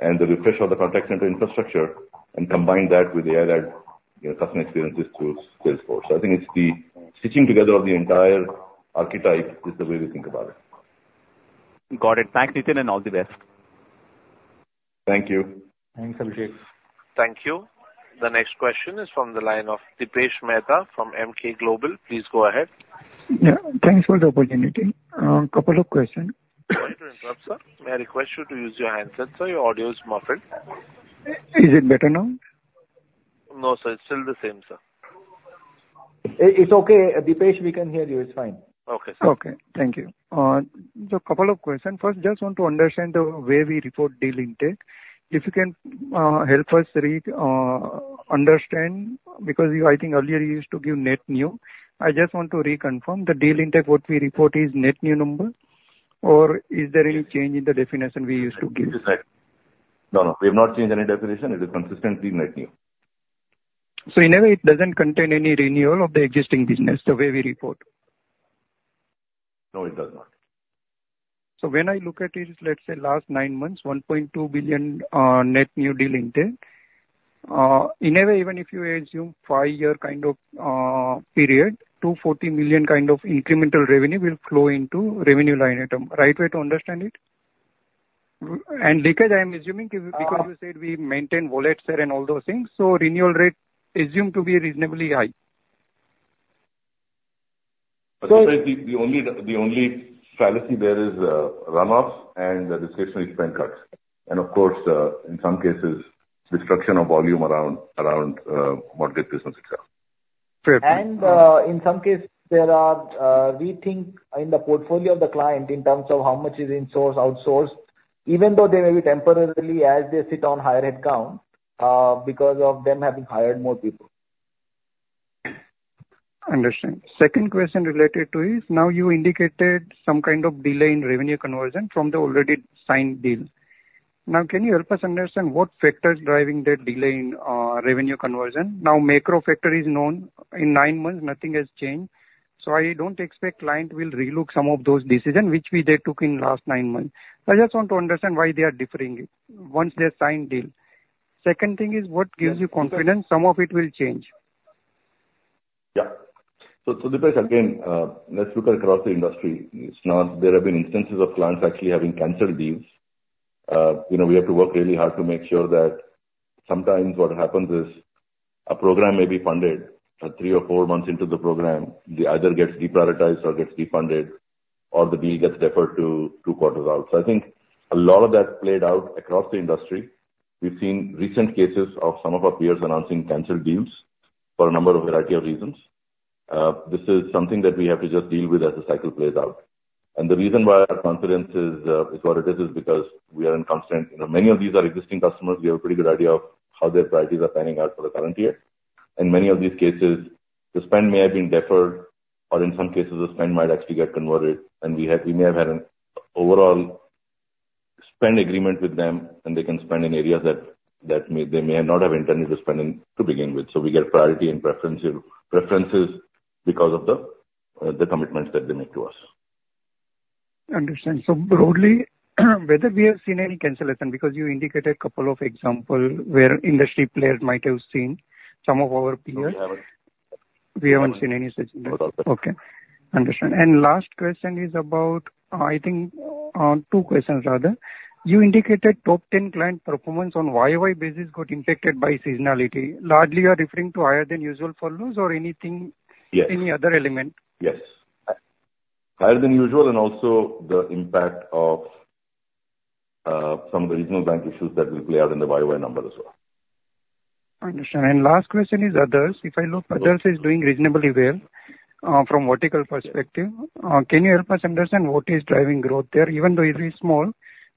and the refresh of the contact center infrastructure, and combine that with the AI-led, you know, customer experiences through Salesforce. So I think it's the stitching together of the entire archetype is the way to think about it. Got it. Thanks, Nitin, and all the best. Thank you. Thanks, Abhishek. Thank you. The next question is from the line of Dipesh Mehta from Emkay Global. Please go ahead. Yeah, thanks for the opportunity. Couple of questions. Sorry to interrupt, sir. May I request you to use your handset, sir? Your audio is muffled. Is it better now? No, sir. It's still the same, sir. It's okay, Dipesh. We can hear you. It's fine. Okay, sir. Okay. Thank you. So couple of questions. First, just want to understand the way we report deal intake. If you can help us understand, because you, I think earlier you used to give net new. I just want to reconfirm, the deal intake, what we report is net new number, or is there any change in the definition we used to give? No, no, we have not changed any definition. It is consistently net new. In a way, it doesn't contain any renewal of the existing business, the way we report? No, it does not. So when I look at it, let's say last nine months, $1.2 billion net new deal intake. In a way, even if you assume five-year kind of period, $240 million kind of incremental revenue will flow into revenue line item. Right way to understand it? And because I am assuming, because you said we maintain wallet share and all those things, so renewal rate assumed to be reasonably high. So— The only fallacy there is, runoffs and the discretionary spend cuts, and of course, in some cases, destruction of volume around, mortgage business itself. Fair. And in some cases, there are. We think in the portfolio of the client, in terms of how much is insourced, outsourced, even though they may be temporarily as they sit on higher headcount, because of them having hired more people. Understand. Second question related to is, now you indicated some kind of delay in revenue conversion from the already signed deals. Now, can you help us understand what factors driving that delay in revenue conversion? Now, macro factor is known. In nine months, nothing has changed, so I don't expect client will relook some of those decisions, which we, they took in last nine months. I just want to understand why they are deferring it once they have signed deal. Second thing is, what gives you confidence some of it will change? Yeah. So, Dipesh, again, let's look at across the industry. It's not— There have been instances of clients actually having canceled deals. You know, we have to work really hard to make sure that sometimes what happens is, a program may be funded, but three or four months into the program, it either gets deprioritized or gets defunded... or the deal gets deferred to two quarters out. So I think a lot of that played out across the industry. We've seen recent cases of some of our peers announcing canceled deals for a number of variety of reasons. This is something that we have to just deal with as the cycle plays out. And the reason why our confidence is, is what it is, is because we are in constant. You know, many of these are existing customers. We have a pretty good idea of how their priorities are panning out for the current year. In many of these cases, the spend may have been deferred, or in some cases the spend might actually get converted. We may have had an overall spend agreement with them, and they can spend in areas that they may not have intended to spend in to begin with. So we get priority and preferential preferences because of the commitments that they make to us. Understood. So broadly, whether we have seen any cancellation, because you indicated a couple of examples where industry players might have seen some of our peers. No, we haven't. We haven't seen any such thing. Not at all. Okay, understand. And last question is about... I think, two questions rather. You indicated top ten client performance on YoY basis got impacted by seasonality. Largely, you are referring to higher-than-usual furloughs or anything— Yes. Any other element? Yes. Higher than usual, and also the impact of some regional bank issues that will play out in the YoY numbers as well. Understand. Last question is others. If I look, others is doing reasonably well, from vertical perspective. Can you help us understand what is driving growth there? Even though it is small,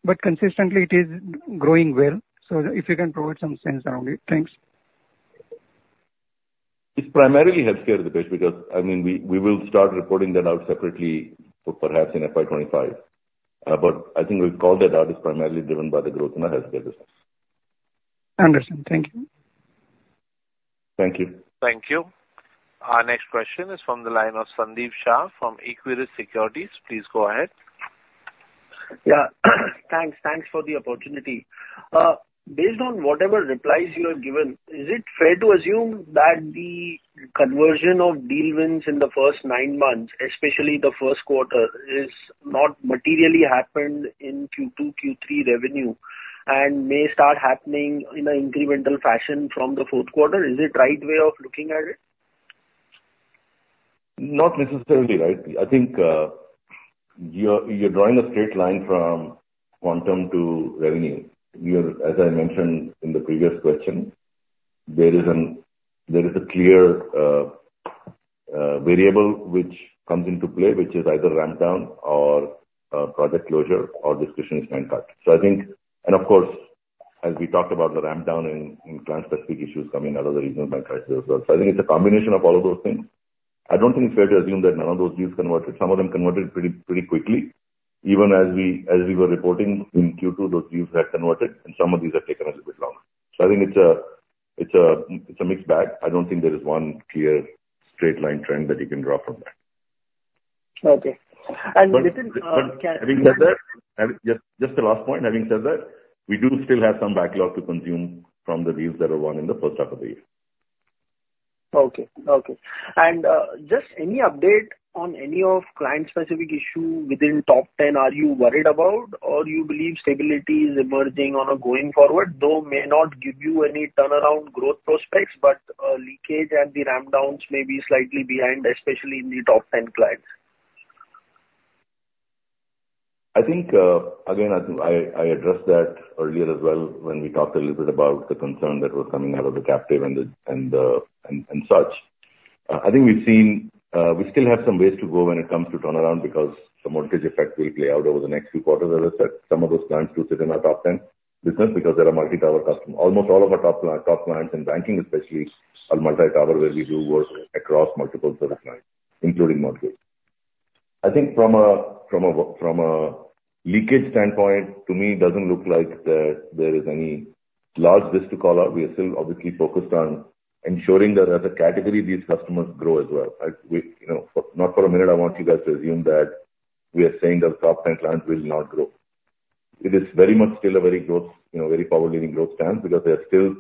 but consistently it is growing well, so if you can provide some sense around it. Thanks. It's primarily healthcare at the base, because, I mean, we, we will start reporting that out separately, perhaps in FY 2025. But I think we'll call that out, it's primarily driven by the growth in our healthcare business. Understand. Thank you. Thank you. Thank you. Our next question is from the line of Sandeep Shah from Equirus Securities. Please go ahead. Yeah. Thanks. Thanks for the opportunity. Based on whatever replies you have given, is it fair to assume that the conversion of deal wins in the first nine months, especially the first quarter, is not materially happened in Q2, Q3 revenue, and may start happening in an incremental fashion from the fourth quarter? Is it right way of looking at it? Not necessarily, right. I think, you're drawing a straight line from quantum to revenue. We are... As I mentioned in the previous question, there is a clear variable which comes into play, which is either ramp down or project closure or discretionary spend cut. So I think... And of course, as we talked about the ramp down and client-specific issues coming out of the regional bank crisis as well. So I think it's a combination of all of those things. I don't think it's fair to assume that none of those deals converted. Some of them converted pretty quickly. Even as we were reporting in Q2, those deals had converted, and some of these have taken us a bit longer. So I think it's a mixed bag. I don't think there is one clear straight line trend that you can draw from that. Okay. Nitin, can— But, having said that, just, just the last point, having said that, we do still have some backlog to consume from the deals that are won in the first half of the year. Okay, okay. And, just any update on any of client-specific issue within top ten are you worried about? Or you believe stability is emerging on a going forward, though may not give you any turnaround growth prospects, but, leakage and the ramp downs may be slightly behind, especially in the top ten clients. I think, again, I addressed that earlier as well when we talked a little bit about the concern that was coming out of the captive and the and such. I think we've seen, we still have some ways to go when it comes to turnaround because the mortgage effect will play out over the next few quarters. As I said, some of those clients do sit in our top 10 business because they are multi-tower customers. Almost all of our top clients, in banking especially, are multi-tower, where we do work across multiple service lines, including mortgage. I think from a leakage standpoint, to me, it doesn't look like there is any large risk to call out. We are still obviously focused on ensuring that as a category, these customers grow as well. I, we, you know, not for a minute I want you guys to assume that we are saying that our top ten clients will not grow. It is very much still a very growth, you know, very power-leading growth stance, because there are still,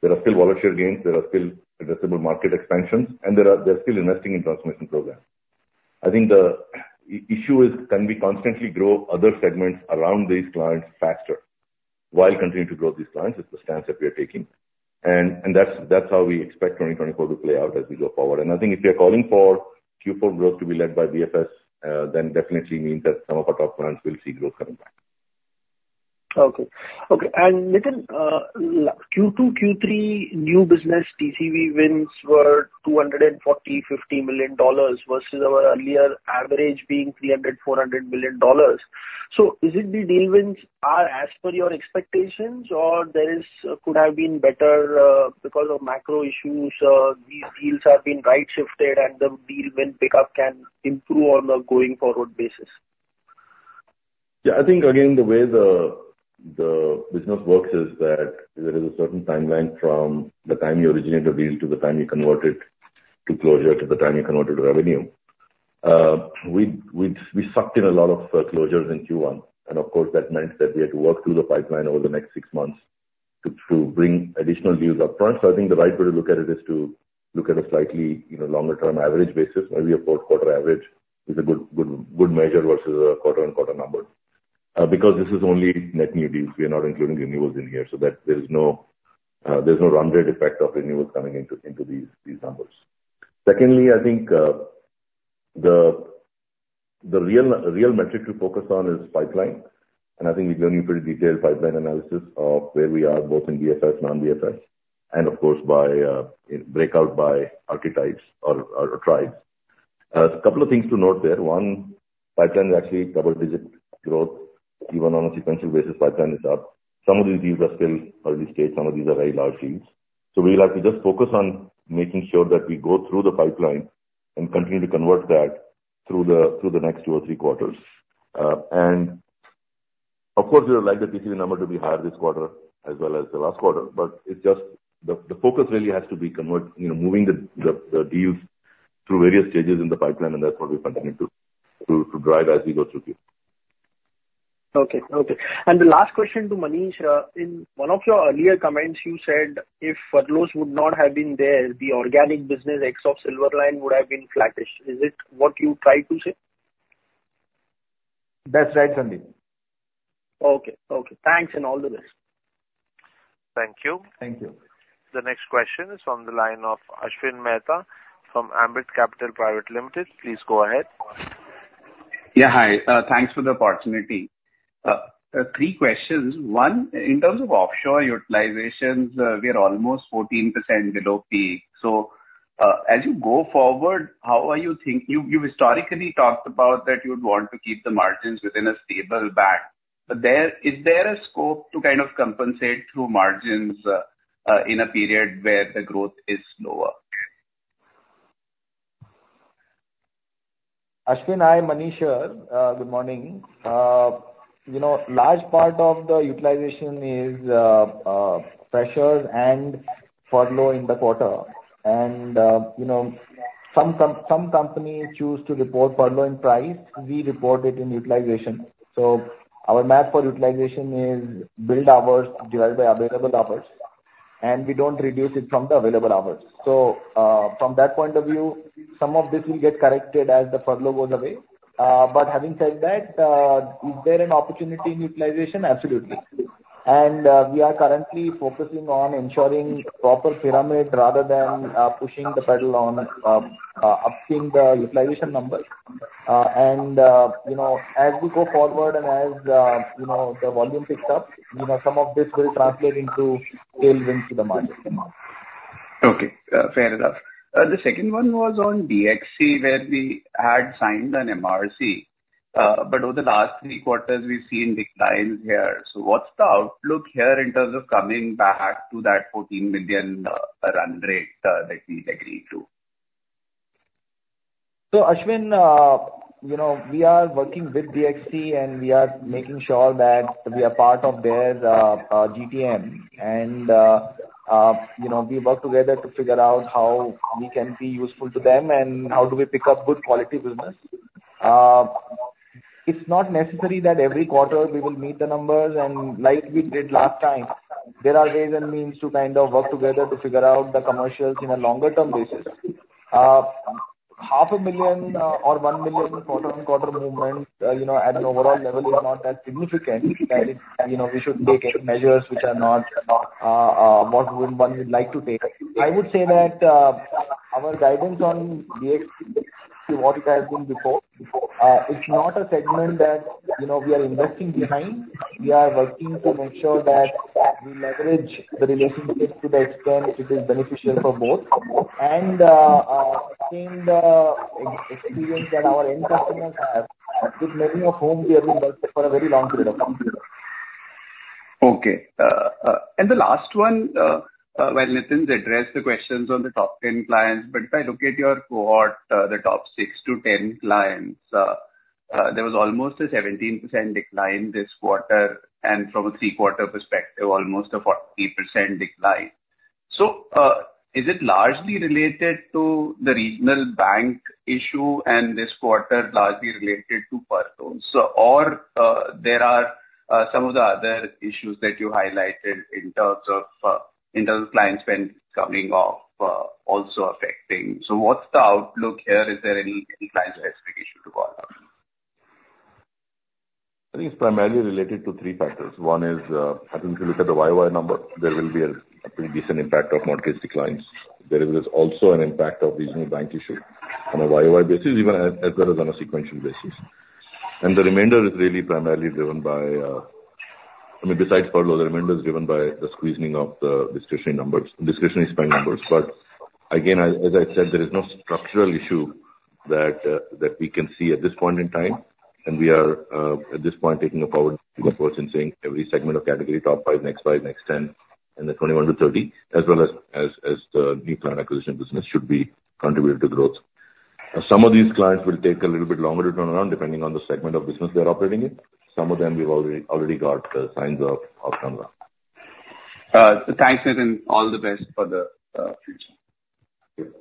there are still volume gains, there are still addressable market expansions, and there are, they're still investing in transformation programs. I think the issue is, can we constantly grow other segments around these clients faster while continuing to grow these clients? It's the stance that we are taking. And, and that's, that's how we expect 2024 to play out as we go forward. And I think if you're calling for Q4 growth to be led by BFS, then definitely means that some of our top clients will see growth coming back. Okay. Okay, and Nitin, Q2, Q3, new business TCV wins were $240 million, $50 million versus our earlier average being $300 million-$400 million. So is it the deal wins are as per your expectations, or there is, could have been better because of macro issues, these deals have been right-shifted and the deal win pickup can improve on a going forward basis? Yeah. I think, again, the way the business works is that there is a certain timeline from the time you originate a deal to the time you convert it to closure, to the time you convert it to revenue. We sucked in a lot of closures in Q1, and of course, that meant that we had to work through the pipeline over the next six months to bring additional deals upfront. So I think the right way to look at it is to look at a slightly, you know, longer term average basis, maybe a four-quarter average is a good, good, good measure versus a quarter-on-quarter number. Because this is only net new deals, we are not including renewals in here, so that there's no, there's no run rate effect of renewals coming into these numbers. Secondly, I think the real metric to focus on is pipeline. And I think we've given you pretty detailed pipeline analysis of where we are, both in BFS, non-BFS, and of course, by breakout by archetypes or tribes. A couple of things to note there. One, pipeline is actually double-digit growth, even on a sequential basis, pipeline is up. Some of these deals are still early stage. Some of these are very large deals. So we'll have to just focus on making sure that we go through the pipeline and continue to convert that through the next two or three quarters. Of course, we would like the TCV number to be higher this quarter as well as the last quarter, but it just, the focus really has to be convert, you know, moving the deals through various stages in the pipeline, and that's what we're continuing to drive as we go through here. Okay. Okay. And the last question to Manish, in one of your earlier comments, you said if furloughs would not have been there, the organic business ex of Silverline would have been flattish. Is it what you tried to say? That's right, Sandeep. Okay. Okay. Thanks and all the best. Thank you. Thank you. The next question is from the line of Ashwin Mehta from Ambit Capital Private Limited. Please go ahead. Yeah, hi, thanks for the opportunity. Three questions. One, in terms of offshore utilizations, we are almost 14% below peak. So, as you go forward, you've, you've historically talked about that you'd want to keep the margins within a stable band, but there, is there a scope to kind of compensate through margins, in a period where the growth is lower? Ashwin, hi, Manish here. Good morning. You know, large part of the utilization is pressures and furlough in the quarter. And, you know, some companies choose to report furlough in price. We report it in utilization. So our math for utilization is build hours divided by available hours, and we don't reduce it from the available hours. So, from that point of view, some of this will get corrected as the furlough goes away. But having said that, is there an opportunity in utilization? Absolutely. And, we are currently focusing on ensuring proper pyramid rather than pushing the pedal on uplifting the utilization numbers. And, you know, as we go forward and as, you know, the volume picks up, you know, some of this will translate into tailwinds to the margin tomorrow. Okay, fair enough. The second one was on DXC, where we had signed an MRC, but over the last three quarters, we've seen declines here. So what's the outlook here in terms of coming back to that $14 million run rate that we've agreed to? So, Ashwin, you know, we are working with DXC, and we are making sure that we are part of their GTM. And, you know, we work together to figure out how we can be useful to them and how do we pick up good quality business. It's not necessary that every quarter we will meet the numbers and like we did last time. There are ways and means to kind of work together to figure out the commercials in a longer term basis. Half a million, or one million quarter-to-quarter movement, you know, at an overall level is not that significant that, you know, we should take measures which are not, what one would like to take. I would say that, our guidance on DXC, what it has been before, it's not a segment that, you know, we are investing behind. We are working to make sure that we leverage the relationship to the extent it is beneficial for both. And, seeing the experience that our end customers have, with many of whom we have been working for a very long period of time. Okay. And the last one, well, Nitin's addressed the questions on the top 10 clients, but if I look at your cohort, the top six to 10 clients, there was almost a 17% decline this quarter, and from a three-quarter perspective, almost a 40% decline. So, is it largely related to the regional bank issue and this quarter largely related to furloughs? Or, there are some of the other issues that you highlighted in terms of, in terms of client spend coming off, also affecting. So what's the outlook here? Is there any client-specific issue to follow up? I think it's primarily related to three factors. One is, I think if you look at the YoY number, there will be a pretty decent impact of mortgage declines. There is also an impact of regional bank issue on a YoY basis, even as well as on a sequential basis. And the remainder is really primarily driven by, I mean, besides furlough, the remainder is driven by the squeezing of the discretionary numbers, discretionary spend numbers. But again, as I said, there is no structural issue that we can see at this point in time, and we are at this point, taking a forward approach and saying every segment of category, top five, next five, next 10, and the 21 to 30, as well as the new client acquisition business should be contributing to growth. Some of these clients will take a little bit longer to turn around, depending on the segment of business they're operating in. Some of them we've already got signs of turnaround. Thanks, Nitin. All the best for the future.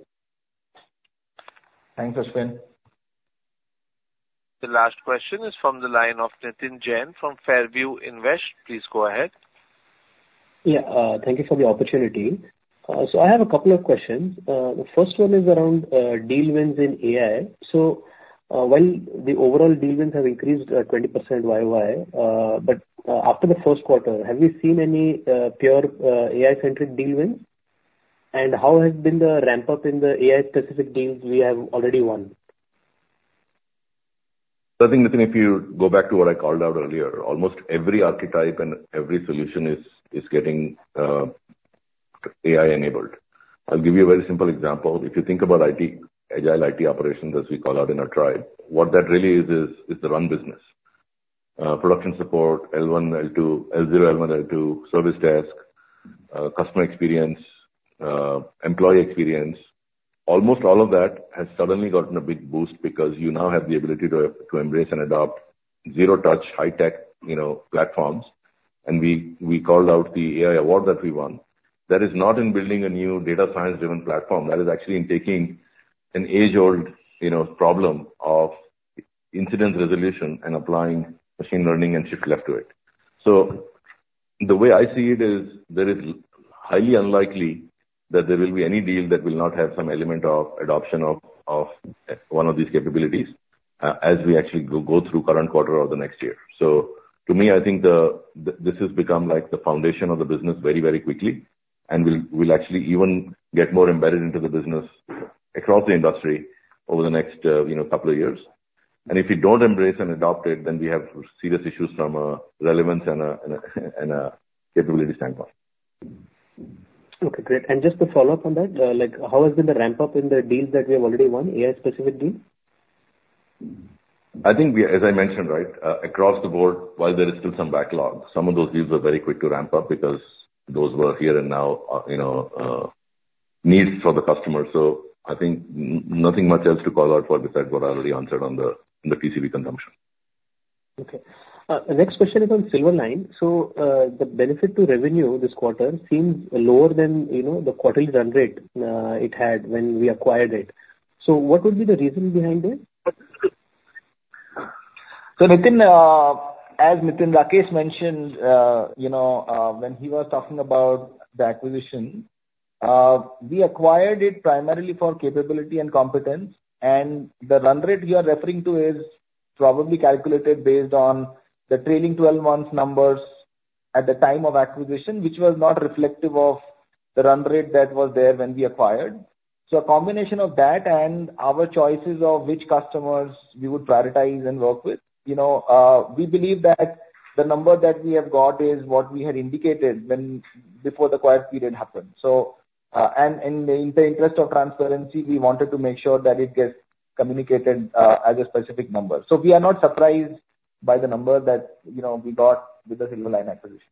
Thanks, Ashwin. The last question is from the line of Nitin Jain from Fairview Invest. Please go ahead. Yeah, thank you for the opportunity. So I have a couple of questions. The first one is around deal wins in AI. So, while the overall deal wins have increased 20% YoY, but after the first quarter, have you seen any pure AI-centric deal wins? And how has been the ramp-up in the AI-specific deals we have already won? So I think, Nitin, if you go back to what I called out earlier, almost every archetype and every solution is, is getting AI-enabled. I'll give you a very simple example: if you think about IT, Agile IT Operations, as we call out in our tribe, what that really is, is, is the run business. Production support, L1, L2, L0, L1, L2, service desk, customer experience, employee experience. Almost all of that has suddenly gotten a big boost because you now have the ability to, to embrace and adopt zero-touch, high-tech, you know, platforms. And we, we called out the AI award that we won. That is not in building a new data science-driven platform. That is actually in taking an age-old, you know, problem of incident resolution and applying machine learning and shift left to it. So the way I see it is, that it's highly unlikely that there will be any deal that will not have some element of adoption of one of these capabilities, as we actually go through current quarter or the next year. So to me, I think the this has become like the foundation of the business very, very quickly, and will actually even get more embedded into the business across the industry over the next, you know, couple of years. And if you don't embrace and adopt it, then we have serious issues from a relevance and a capability standpoint. Okay, great. Just to follow up on that, like, how has been the ramp-up in the deals that we have already won, AI-specific deals? I think we, as I mentioned, right, across the board, while there is still some backlog, some of those deals are very quick to ramp up because those were here and now, you know, needs for the customer. So I think nothing much else to call out for, besides what I already answered on the TCV consumption. Okay. The next question is on Silverline. So, the benefit to revenue this quarter seems lower than, you know, the quarterly run rate, it had when we acquired it. So what would be the reason behind it? So, Nitin, as Nitin Rakesh mentioned, you know, when he was talking about the acquisition, we acquired it primarily for capability and competence. And the run rate you are referring to is probably calculated based on the trailing twelve months numbers at the time of acquisition, which was not reflective of the run rate that was there when we acquired. So a combination of that and our choices of which customers we would prioritize and work with. You know, we believe that the number that we have got is what we had indicated when, before the quiet period happened. So, and, and in the interest of transparency, we wanted to make sure that it gets communicated, as a specific number. So we are not surprised by the number that, you know, we got with the Silverline acquisition.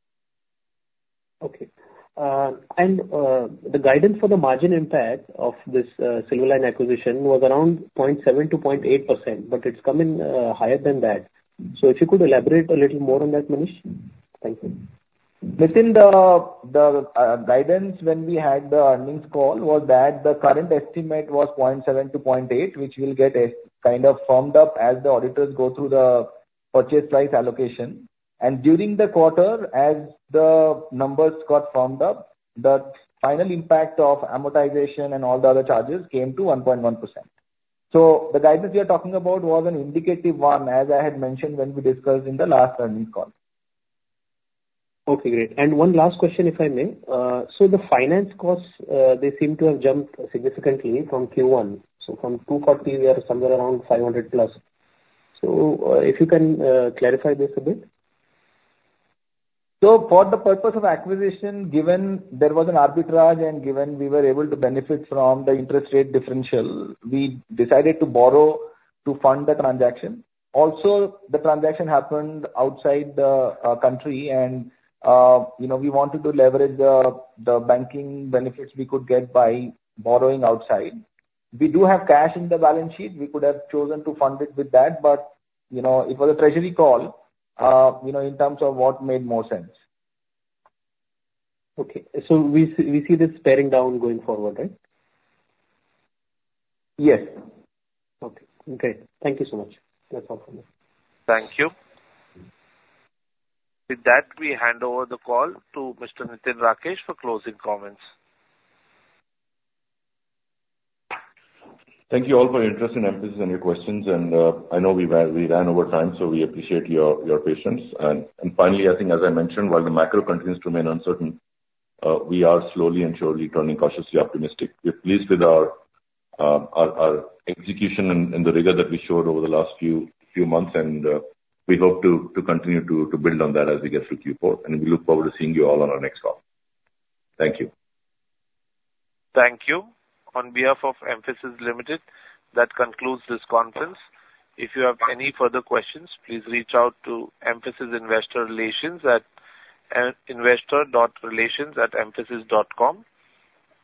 Okay. The guidance for the margin impact of this, Silverline acquisition was around 0.7%-0.8%, but it's come in higher than that. So if you could elaborate a little more on that, Manish? Thank you. Nitin, the guidance when we had the earnings call was that the current estimate was 0.7%-0.8%, which will get a kind of firmed up as the auditors go through the purchase price allocation. During the quarter, as the numbers got firmed up, the final impact of amortization and all the other charges came to 1.1%. So the guidance we are talking about was an indicative one, as I had mentioned when we discussed in the last earnings call. Okay, great. And one last question, if I may. So the finance costs, they seem to have jumped significantly from Q1. So from 240, we are somewhere around 500+. So, if you can, clarify this a bit? So for the purpose of acquisition, given there was an arbitrage and given we were able to benefit from the interest rate differential, we decided to borrow to fund the transaction. Also, the transaction happened outside the country and, you know, we wanted to leverage the banking benefits we could get by borrowing outside. We do have cash in the balance sheet. We could have chosen to fund it with that, but, you know, it was a treasury call, you know, in terms of what made more sense. Okay. So we see, we see this paring down going forward, right? Yes. Okay. Okay. Thank you so much. That's all for me. Thank you. With that, we hand over the call to Mr. Nitin Rakesh for closing comments. Thank you all for your interest in Mphasis and your questions, and I know we ran over time, so we appreciate your patience. And finally, I think as I mentioned, while the macro continues to remain uncertain, we are slowly and surely turning cautiously optimistic. We're pleased with our execution and the rigor that we showed over the last few months, and we hope to continue to build on that as we get through Q4. And we look forward to seeing you all on our next call. Thank you. Thank you. On behalf of Mphasis Limited, that concludes this conference. If you have any further questions, please reach out to Mphasis Investor Relations at investor.relations@mphasis.com.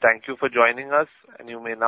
Thank you for joining us, and you may now disconnect.